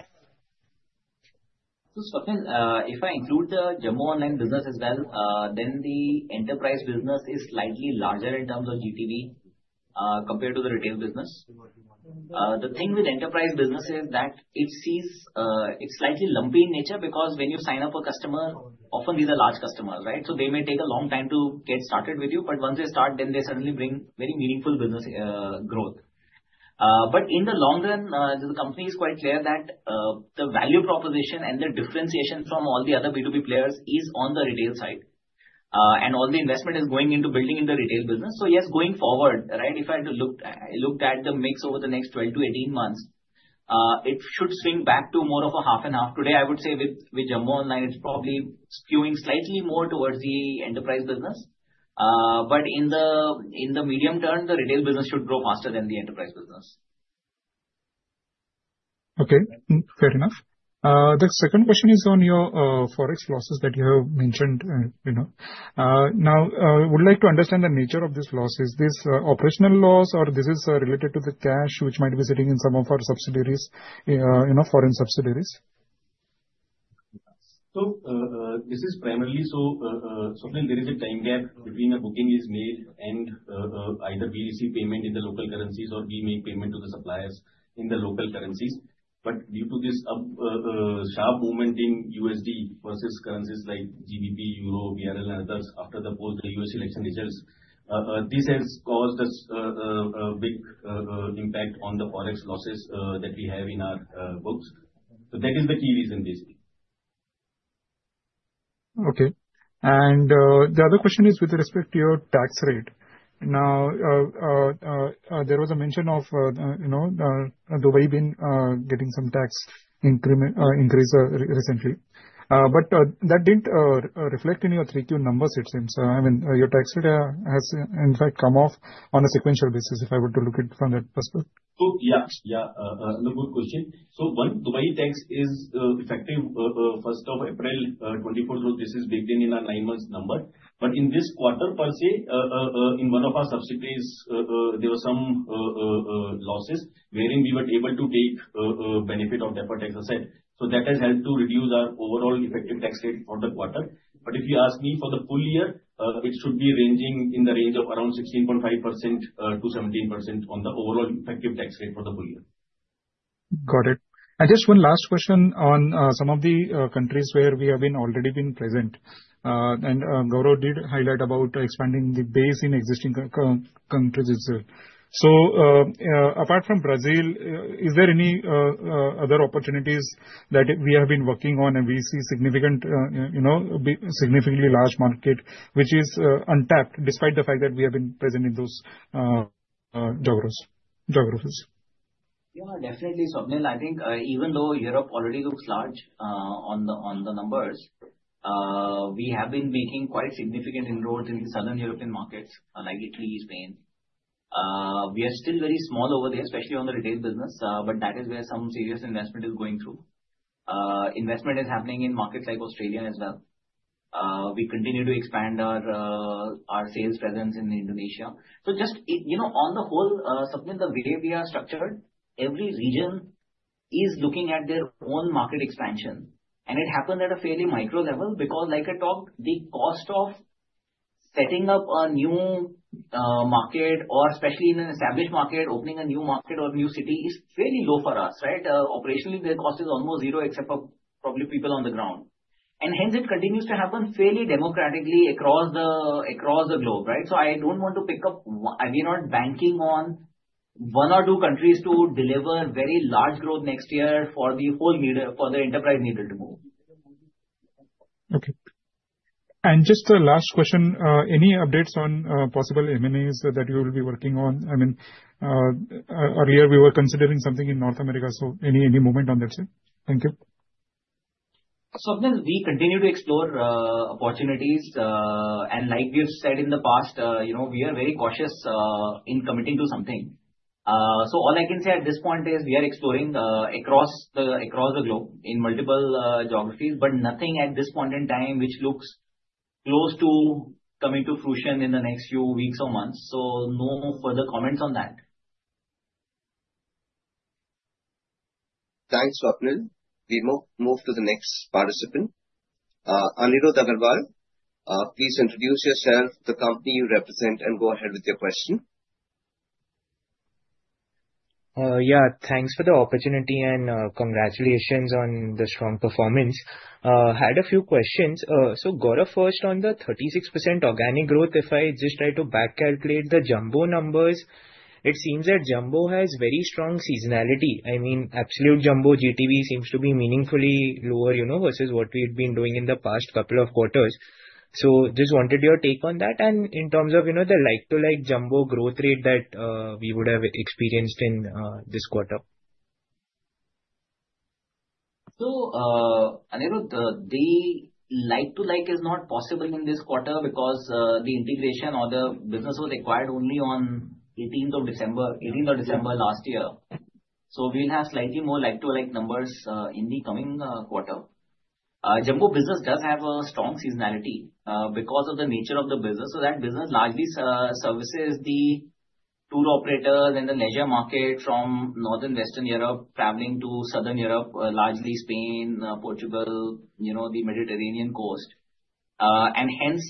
So Swapnil, if I include the Jumbonline business as well, then the enterprise business is slightly larger in terms of GTV compared to the retail business. The thing with enterprise business is that it's slightly lumpy in nature because when you sign up a customer, often these are large customers, right? So they may take a long time to get started with you. But once they start, then they suddenly bring very meaningful business growth. But in the long run, the company is quite clear that the value proposition and the differentiation from all the other B2B players is on the retail side. And all the investment is going into building in the retail business. So yes, going forward, right, if I had to look at the mix over the next 12-18 months, it should swing back to more of a half and half. Today, I would say with Jumbonline, it's probably skewing slightly more towards the enterprise business. But in the medium term, the retail business should grow faster than the enterprise business. Okay. Fair enough. The second question is on your forex losses that you have mentioned. Now, I would like to understand the nature of these losses. Is this operational loss or this is related to the cash which might be sitting in some of our subsidiaries, foreign subsidiaries? So this is primarily, so Swapnil, there is a time gap between a booking is made and either we receive payment in the local currencies or we make payment to the suppliers in the local currencies. But due to this sharp movement in USD versus currencies like GBP, Euro, BRL, and others after the post-U.S. election results, this has caused us a big impact on the forex losses that we have in our books. So that is the key reason, basically. Okay. And the other question is with respect to your tax rate. Now, there was a mention of Dubai being getting some tax increase recently. But that didn't reflect in your Q3 numbers, it seems. I mean, your tax rate has, in fact, come off on a sequential basis if I were to look at it from that perspective. So yeah, yeah. A good question. So one, Dubai tax is effective 1st of April, 2024. This is baked in our nine-month number. But in this quarter, per se, in one of our subsidiaries, there were some losses wherein we were able to take benefit of the offset exercise. So that has helped to reduce our overall effective tax rate for the quarter. But if you ask me for the full year, it should be ranging in the range of around 16.5%-17% on the overall effective tax rate for the full year. Got it. And just one last question on some of the countries where we have already been present. And Gaurav did highlight about expanding the base in existing countries itself. So apart from Brazil, is there any other opportunities that we have been working on and we see significantly large market, which is untapped despite the fact that we have been present in those geographies? Yeah, definitely, Swapnil. I think even though Europe already looks large on the numbers, we have been making quite significant inroads in the southern European markets like Italy, Spain. We are still very small over there, especially on the retail business, but that is where some serious investment is going through. Investment is happening in markets like Australia as well. We continue to expand our sales presence in Indonesia. So just on the whole, Swapnil, the way we are structured, every region is looking at their own market expansion. And it happens at a fairly micro level because, like I talked, the cost of setting up a new market, or especially in an established market, opening a new market or a new city, is fairly low for us, right? Operationally, the cost is almost zero except for probably people on the ground. And hence, it continues to happen fairly democratically across the globe, right? So I don't want to pick up. We are not banking on one or two countries to deliver very large growth next year for the enterprise needed to move. Okay. And just the last question, any updates on possible M&As that you will be working on? I mean, earlier, we were considering something in North America. So any movement on that side? Thank you. Swapnil, we continue to explore opportunities. And like we have said in the past, we are very cautious in committing to something. So all I can say at this point is we are exploring across the globe in multiple geographies, but nothing at this point in time which looks close to coming to fruition in the next few weeks or months. So no further comments on that. Thanks, Swapnil. We move to the next participant. Anirudh Agarwal, please introduce yourself, the company you represent, and go ahead with your question. Yeah, thanks for the opportunity and congratulations on the strong performance. I had a few questions. So Gaurav first on the 36% organic growth. If I just try to back calculate the Jumbo numbers, it seems that Jumbo has very strong seasonality. I mean, absolute jumbo GTV seems to be meaningfully lower versus what we've been doing in the past couple of quarters. So just wanted your take on that and in terms of the like-to-like jumbo growth rate that we would have experienced in this quarter. So Anirudh, the like-to-like is not possible in this quarter because the integration of the business was acquired only on 18th of December, 18th of December last year. So we will have slightly more like-to-like numbers in the coming quarter. Jumbo business does have a strong seasonality because of the nature of the business. So that business largely services the tour operators and the leisure market from northern Western Europe traveling to southern Europe, largely Spain, Portugal, the Mediterranean coast. And hence,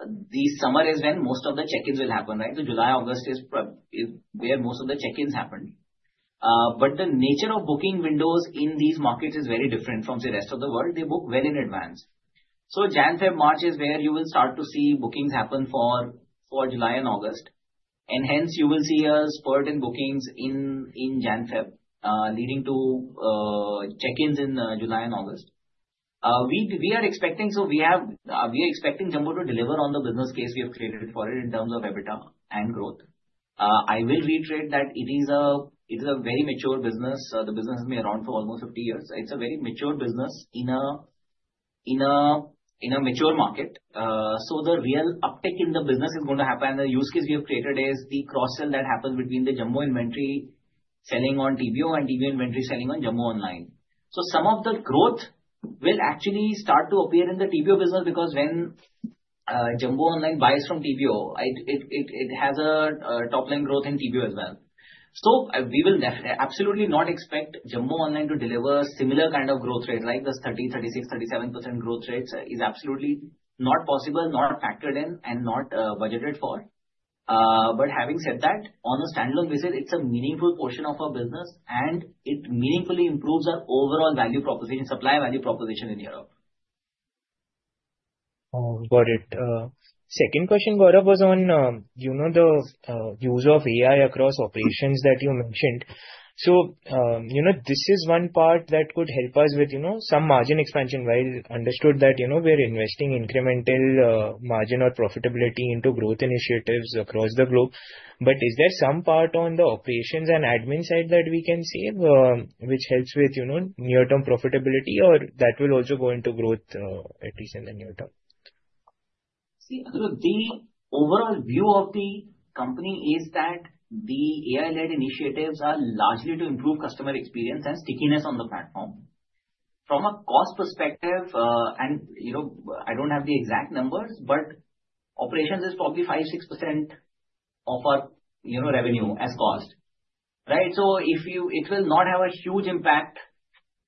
the summer is when most of the check-ins will happen, right? So July, August is where most of the check-ins happened. But the nature of booking windows in these markets is very different from the rest of the world. They book well in advance. So January-February-March is where you will start to see bookings happen for July and August. And hence, you will see a spurt in bookings in January-February, leading to check-ins in July and August. We are expecting Jumbo to deliver on the business case we have created for it in terms of EBITDA and growth. I will reiterate that it is a very mature business. The business has been around for almost 50 years. It's a very mature business in a mature market. So the real uptake in the business is going to happen. The use case we have created is the cross-sell that happens between the Jumbo inventory selling on TBO and TBO inventory selling on Jumbonline. So some of the growth will actually start to appear in the TBO business because when Jumbonline buys from TBO, it has a top-line growth in TBO as well. So we will absolutely not expect Jumbonline to deliver similar kind of growth rates. Like this 30%, 36%, 37% growth rates is absolutely not possible, not factored in, and not budgeted for. But having said that, on a standalone basis, it's a meaningful portion of our business, and it meaningfully improves our overall value proposition, supply value proposition in Europe. Got it. Second question, Gaurav, was on the use of AI across operations that you mentioned. So this is one part that could help us with some margin expansion while understood that we are investing incremental margin or profitability into growth initiatives across the globe. But is there some part on the operations and admin side that we can see which helps with near-term profitability or that will also go into growth at least in the near term? See, the overall view of the company is that the AI-led initiatives are largely to improve customer experience and stickiness on the platform. From a cost perspective, and I don't have the exact numbers, but operations is probably 5%-6% of our revenue as cost, right? So it will not have a huge impact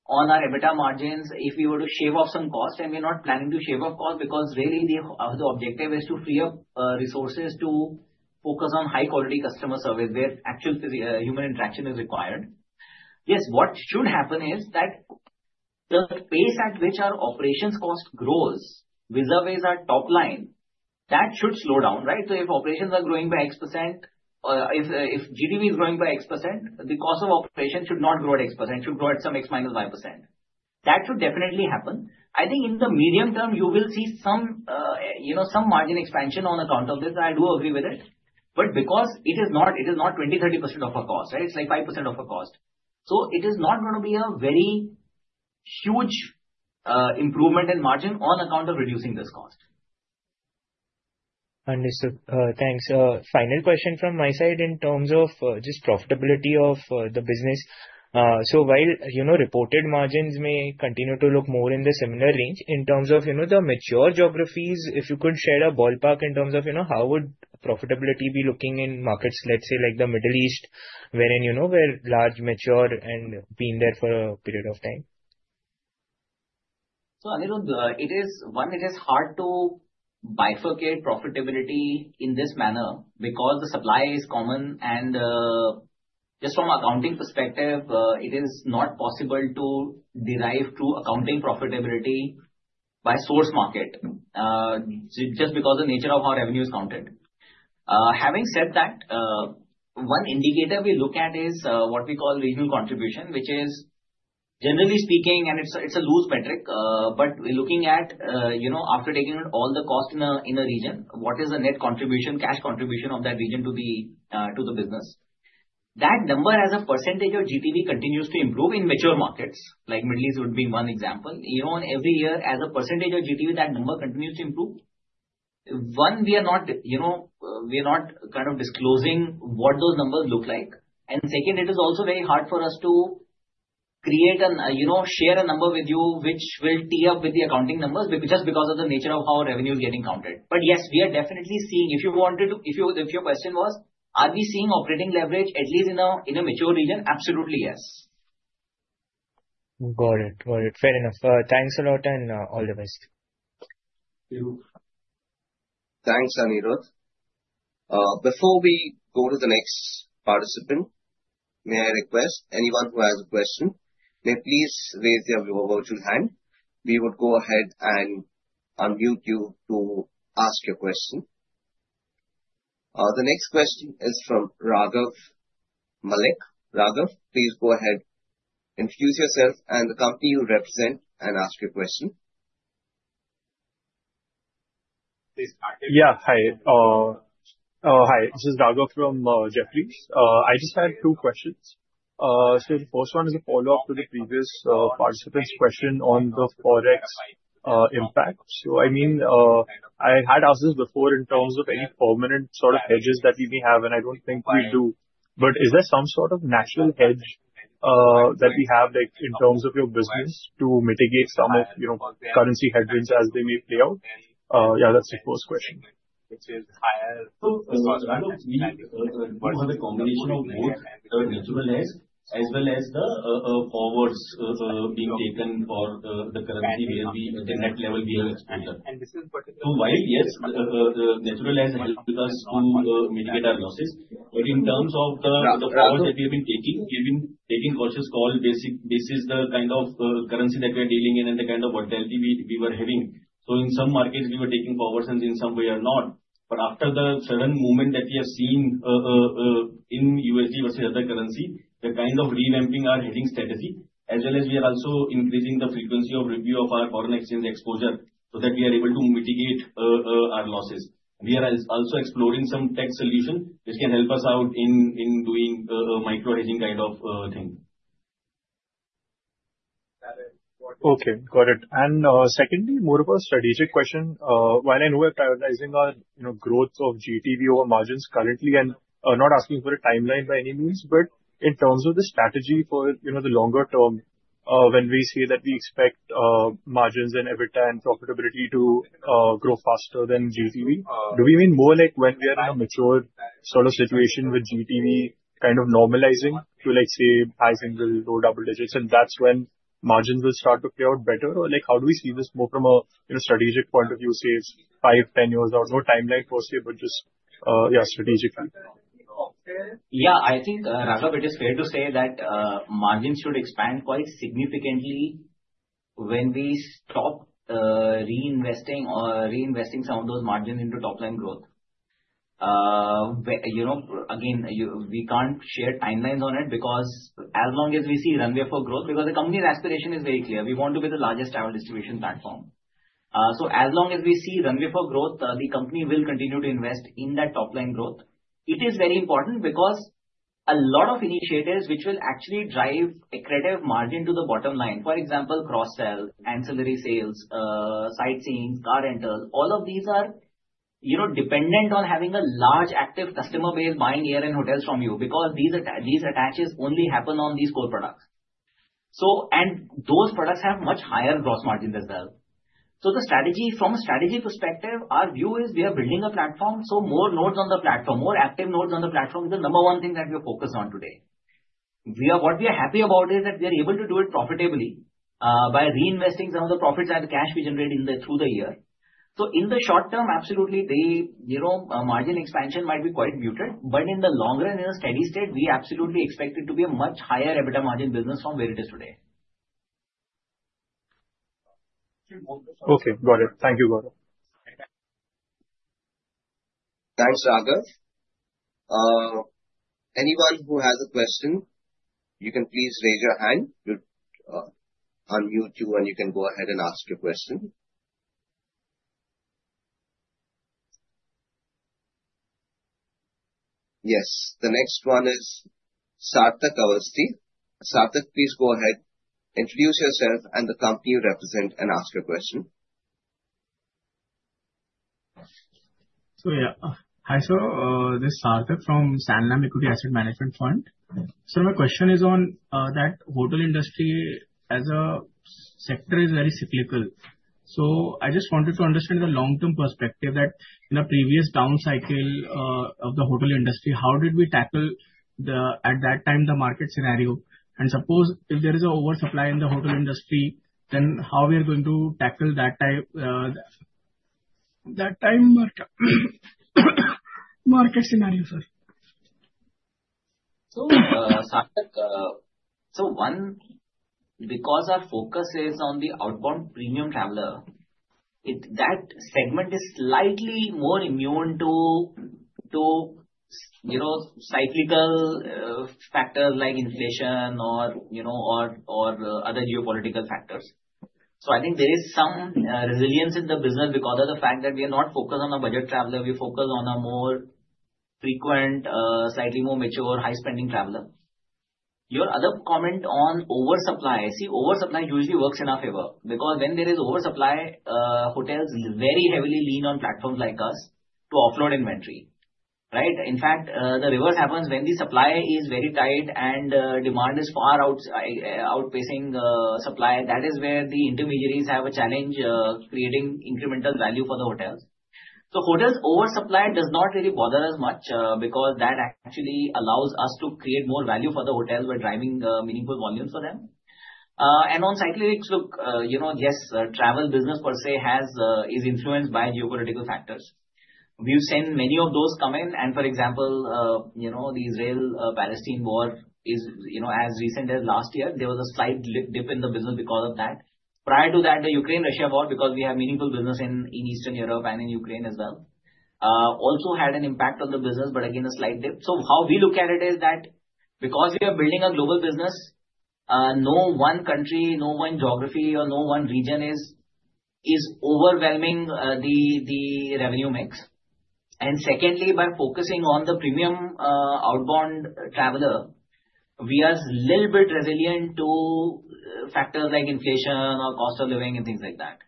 on our EBITDA margins if we were to shave off some cost, and we're not planning to shave off cost because really the objective is to free up resources to focus on high-quality customer service where actual human interaction is required. Yes, what should happen is that the pace at which our operations cost grows with our top line, that should slow down, right? So if operations are growing by X%, if GTV is growing by X%, the cost of operation should not grow at X%. It should grow at some X minus 5%. That should definitely happen. I think in the medium term, you will see some margin expansion on account of this. I do agree with it. But because it is not 20%-30% of our cost, right? It's like 5% of our cost. So it is not going to be a very huge improvement in margin on account of reducing this cost. Understood. Thanks. Final question from my side in terms of just profitability of the business. So while reported margins may continue to look more in the similar range in terms of the mature geographies, if you could share a ballpark in terms of how would profitability be looking in markets, let's say like the Middle East, wherein we're large, mature, and been there for a period of time? So Anirudh, one, it is hard to bifurcate profitability in this manner because the supply is common. And just from an accounting perspective, it is not possible to derive true accounting profitability by source market just because of the nature of how revenue is counted. Having said that, one indicator we look at is what we call regional contribution, which is generally speaking, and it's a loose metric, but we're looking at after taking out all the cost in a region, what is the net contribution, cash contribution of that region to the business. That number as a percentage of GTV continues to improve in mature markets, like Middle East would be one example. Every year, as a percentage of GTV, that number continues to improve. One, we are not kind of disclosing what those numbers look like. And second, it is also very hard for us to create and share a number with you which will tee up with the accounting numbers just because of the nature of how revenue is getting counted. But yes, we are definitely seeing. If you wanted to, if your question was, are we seeing operating leverage at least in a mature region? Absolutely, yes. Got it. Got it. Fair enough. Thanks a lot and all the best. Thanks, Anirudh. Before we go to the next participant, may I request anyone who has a question, may please raise your virtual hand? We would go ahead and unmute you to ask your question. The next question is from Raghav Malik. Raghav, please go ahead, introduce yourself and the company you represent, and ask your question. Yeah, hi. This is Raghav from Jefferies. I just had two questions. So the first one is a follow-up to the previous participant's question on the Forex impact. So I mean, I had asked this before in terms of any permanent sort of hedges that we may have, and I don't think we do. But is there some sort of natural hedge that we have in terms of your business to mitigate some of currency headwinds as they may play out? Yeah, that's the first question. Which is higher as far as I know. We prefer to employ the combination of both the natural hedge as well as the forwards being taken for the currency where the net level being expanded, and this is particularly so while, yes, the natural hedge helped us to mitigate our losses, but in terms of the forwards that we have been taking, we have been taking purchase call basis. This is the kind of currency that we are dealing in and the kind of volatility we were having, so in some markets, we were taking forwards and in some we are not, but after the sudden movement that we have seen in USD versus other currency, the kind of revamping our hedging strategy, as well as we are also increasing the frequency of review of our foreign exchange exposure so that we are able to mitigate our losses. We are also exploring some tech solutions which can help us out in doing a micro hedging kind of thing. Okay. Got it. And secondly, more of a strategic question. While I know we're prioritizing our growth of GTV over margins currently and not asking for a timeline by any means, but in terms of the strategy for the longer term, when we see that we expect margins and EBITDA and profitability to grow faster than GTV, do we mean more like when we are in a mature sort of situation with GTV kind of normalizing to say high single or double digits, and that's when margins will start to play out better? Or how do we see this more from a strategic point of view, say five, 10 years or no timeline foreseeable, just strategically? Yeah, I think, Raghav, it is fair to say that margins should expand quite significantly when we stop reinvesting or reinvesting some of those margins into top-line growth. Again, we can't share timelines on it because as long as we see runway for growth, because the company's aspiration is very clear, we want to be the largest travel distribution platform. So as long as we see runway for growth, the company will continue to invest in that top-line growth. It is very important because a lot of initiatives which will actually drive incremental margin to the bottom line, for example, cross-sell, ancillary sales, sightseeing, car rentals, all of these are dependent on having a large active customer base buying air and hotels from you because these attachments only happen on these core products, and those products have much higher gross margins as well. So from a strategy perspective, our view is we are building a platform. So more nodes on the platform, more active nodes on the platform is the number one thing that we are focused on today. What we are happy about is that we are able to do it profitably by reinvesting some of the profits and the cash we generate through the year. So in the short term, absolutely, the margin expansion might be quite muted. But in the long run, in a steady state, we absolutely expect it to be a much higher EBITDA margin business from where it is today. Okay. Got it. Thank you, Gaurav. Thanks, Raghav. Anyone who has a question, you can please raise your hand. We'll unmute you, and you can go ahead and ask your question. Yes. The next one is Sarthak Awasthi. Sarthak, please go ahead, introduce yourself and the company you represent, and ask your question. So yeah, hi. So this is Sarthak from Sanlam Equity Asset Management Fund. So my question is on that hotel industry as a sector is very cyclical. So I just wanted to understand the long-term perspective that in a previous down cycle of the hotel industry, how did we tackle at that time the market scenario? And suppose if there is an oversupply in the hotel industry, then how are we going to tackle that time market scenario, sir? So Sarthak, so one, because our focus is on the outbound premium traveler, that segment is slightly more immune to cyclical factors like inflation or other geopolitical factors. So I think there is some resilience in the business because of the fact that we are not focused on a budget traveler. We focus on a more frequent, slightly more mature, high-spending traveler. Your other comment on oversupply, see, oversupply usually works in our favor because when there is oversupply, hotels very heavily lean on platforms like us to offload inventory, right? In fact, the reverse happens when the supply is very tight and demand is far outpacing supply. That is where the intermediaries have a challenge creating incremental value for the hotels. So hotels' oversupply does not really bother us much because that actually allows us to create more value for the hotels by driving meaningful volumes for them. And on cyclical look, yes, travel business per se is influenced by geopolitical factors. We've seen many of those come in. And for example, the Israeli-Palestinian war is as recent as last year. There was a slight dip in the business because of that. Prior to that, the Ukraine-Russia war, because we have meaningful business in Eastern Europe and in Ukraine as well, also had an impact on the business, but again, a slight dip. So how we look at it is that because we are building a global business, no one country, no one geography, or no one region is overwhelming the revenue mix. And secondly, by focusing on the premium outbound traveler, we are a little bit resilient to factors like inflation or cost of living and things like that.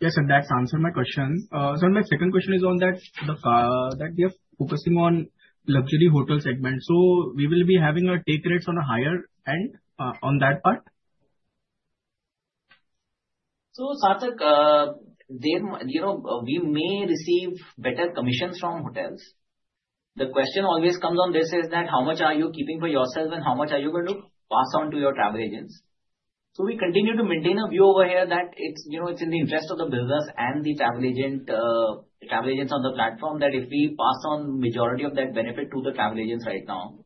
Yes, and that's answered my question. So my second question is on that we are focusing on luxury hotel segment. So we will be having our take rates on a higher end on that part? So Sarthak, we may receive better commissions from hotels. The question always comes on this is that how much are you keeping for yourself and how much are you going to pass on to your travel agents? So we continue to maintain a view over here that it's in the interest of the business and the travel agents on the platform that if we pass on the majority of that benefit to the travel agents right now.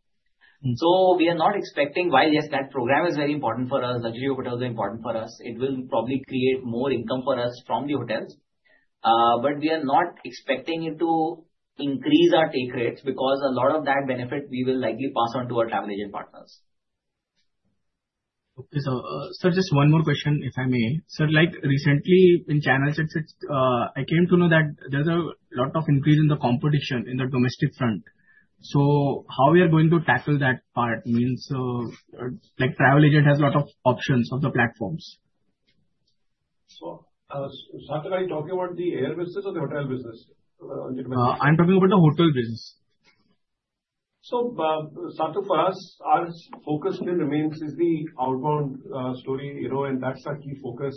So we are not expecting, while yes, that program is very important for us, luxury hotels are important for us, it will probably create more income for us from the hotels. But we are not expecting it to increase our take rates because a lot of that benefit we will likely pass on to our travel agent partners. Okay. So sir, just one more question if I may. So recently in Channel checks, I came to know that there's a lot of increase in the competition in the domestic front. So how we are going to tackle that part means travel agent has a lot of options of the platforms. So Sarthak, are you talking about the air business or the hotel business? I'm talking about the hotel business. So Sarthak, for us, our focus still remains is the outbound story, and that's our key focus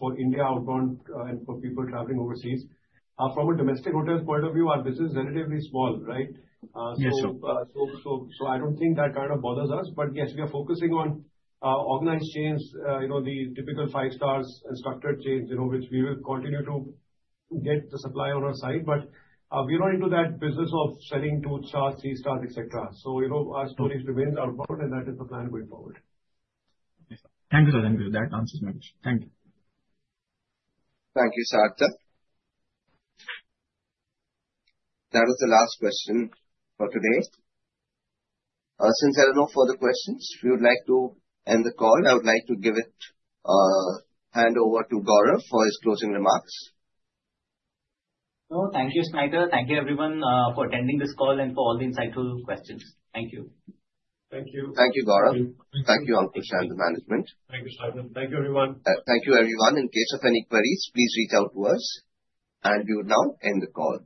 for India outbound and for people traveling overseas. From a domestic hotel point of view, our business is relatively small, right? So I don't think that kind of bothers us. But yes, we are focusing on organized chains, the typical five-star structured chains, which we will continue to get the supply on our side. But we're not into that business of selling two-stars, three-stars, etc. So our stories remain outbound, and that is the plan going forward. Thank you, sir. Thank you. That answers my question. Thank you. Thank you, Sarthak. That was the last question for today. Since there are no further questions, if you would like to end the call, I would like to hand it over to Gaurav for his closing remarks. No, thank you, Snighter. Thank you, everyone, for attending this call and for all the insightful questions. Thank you. Thank you. Thank you, Gaurav. Thank you, Ankush and the management. Thank you, Snighter. Thank you, everyone. Thank you, everyone. In case of any queries, please reach out to us. And we will now end the call.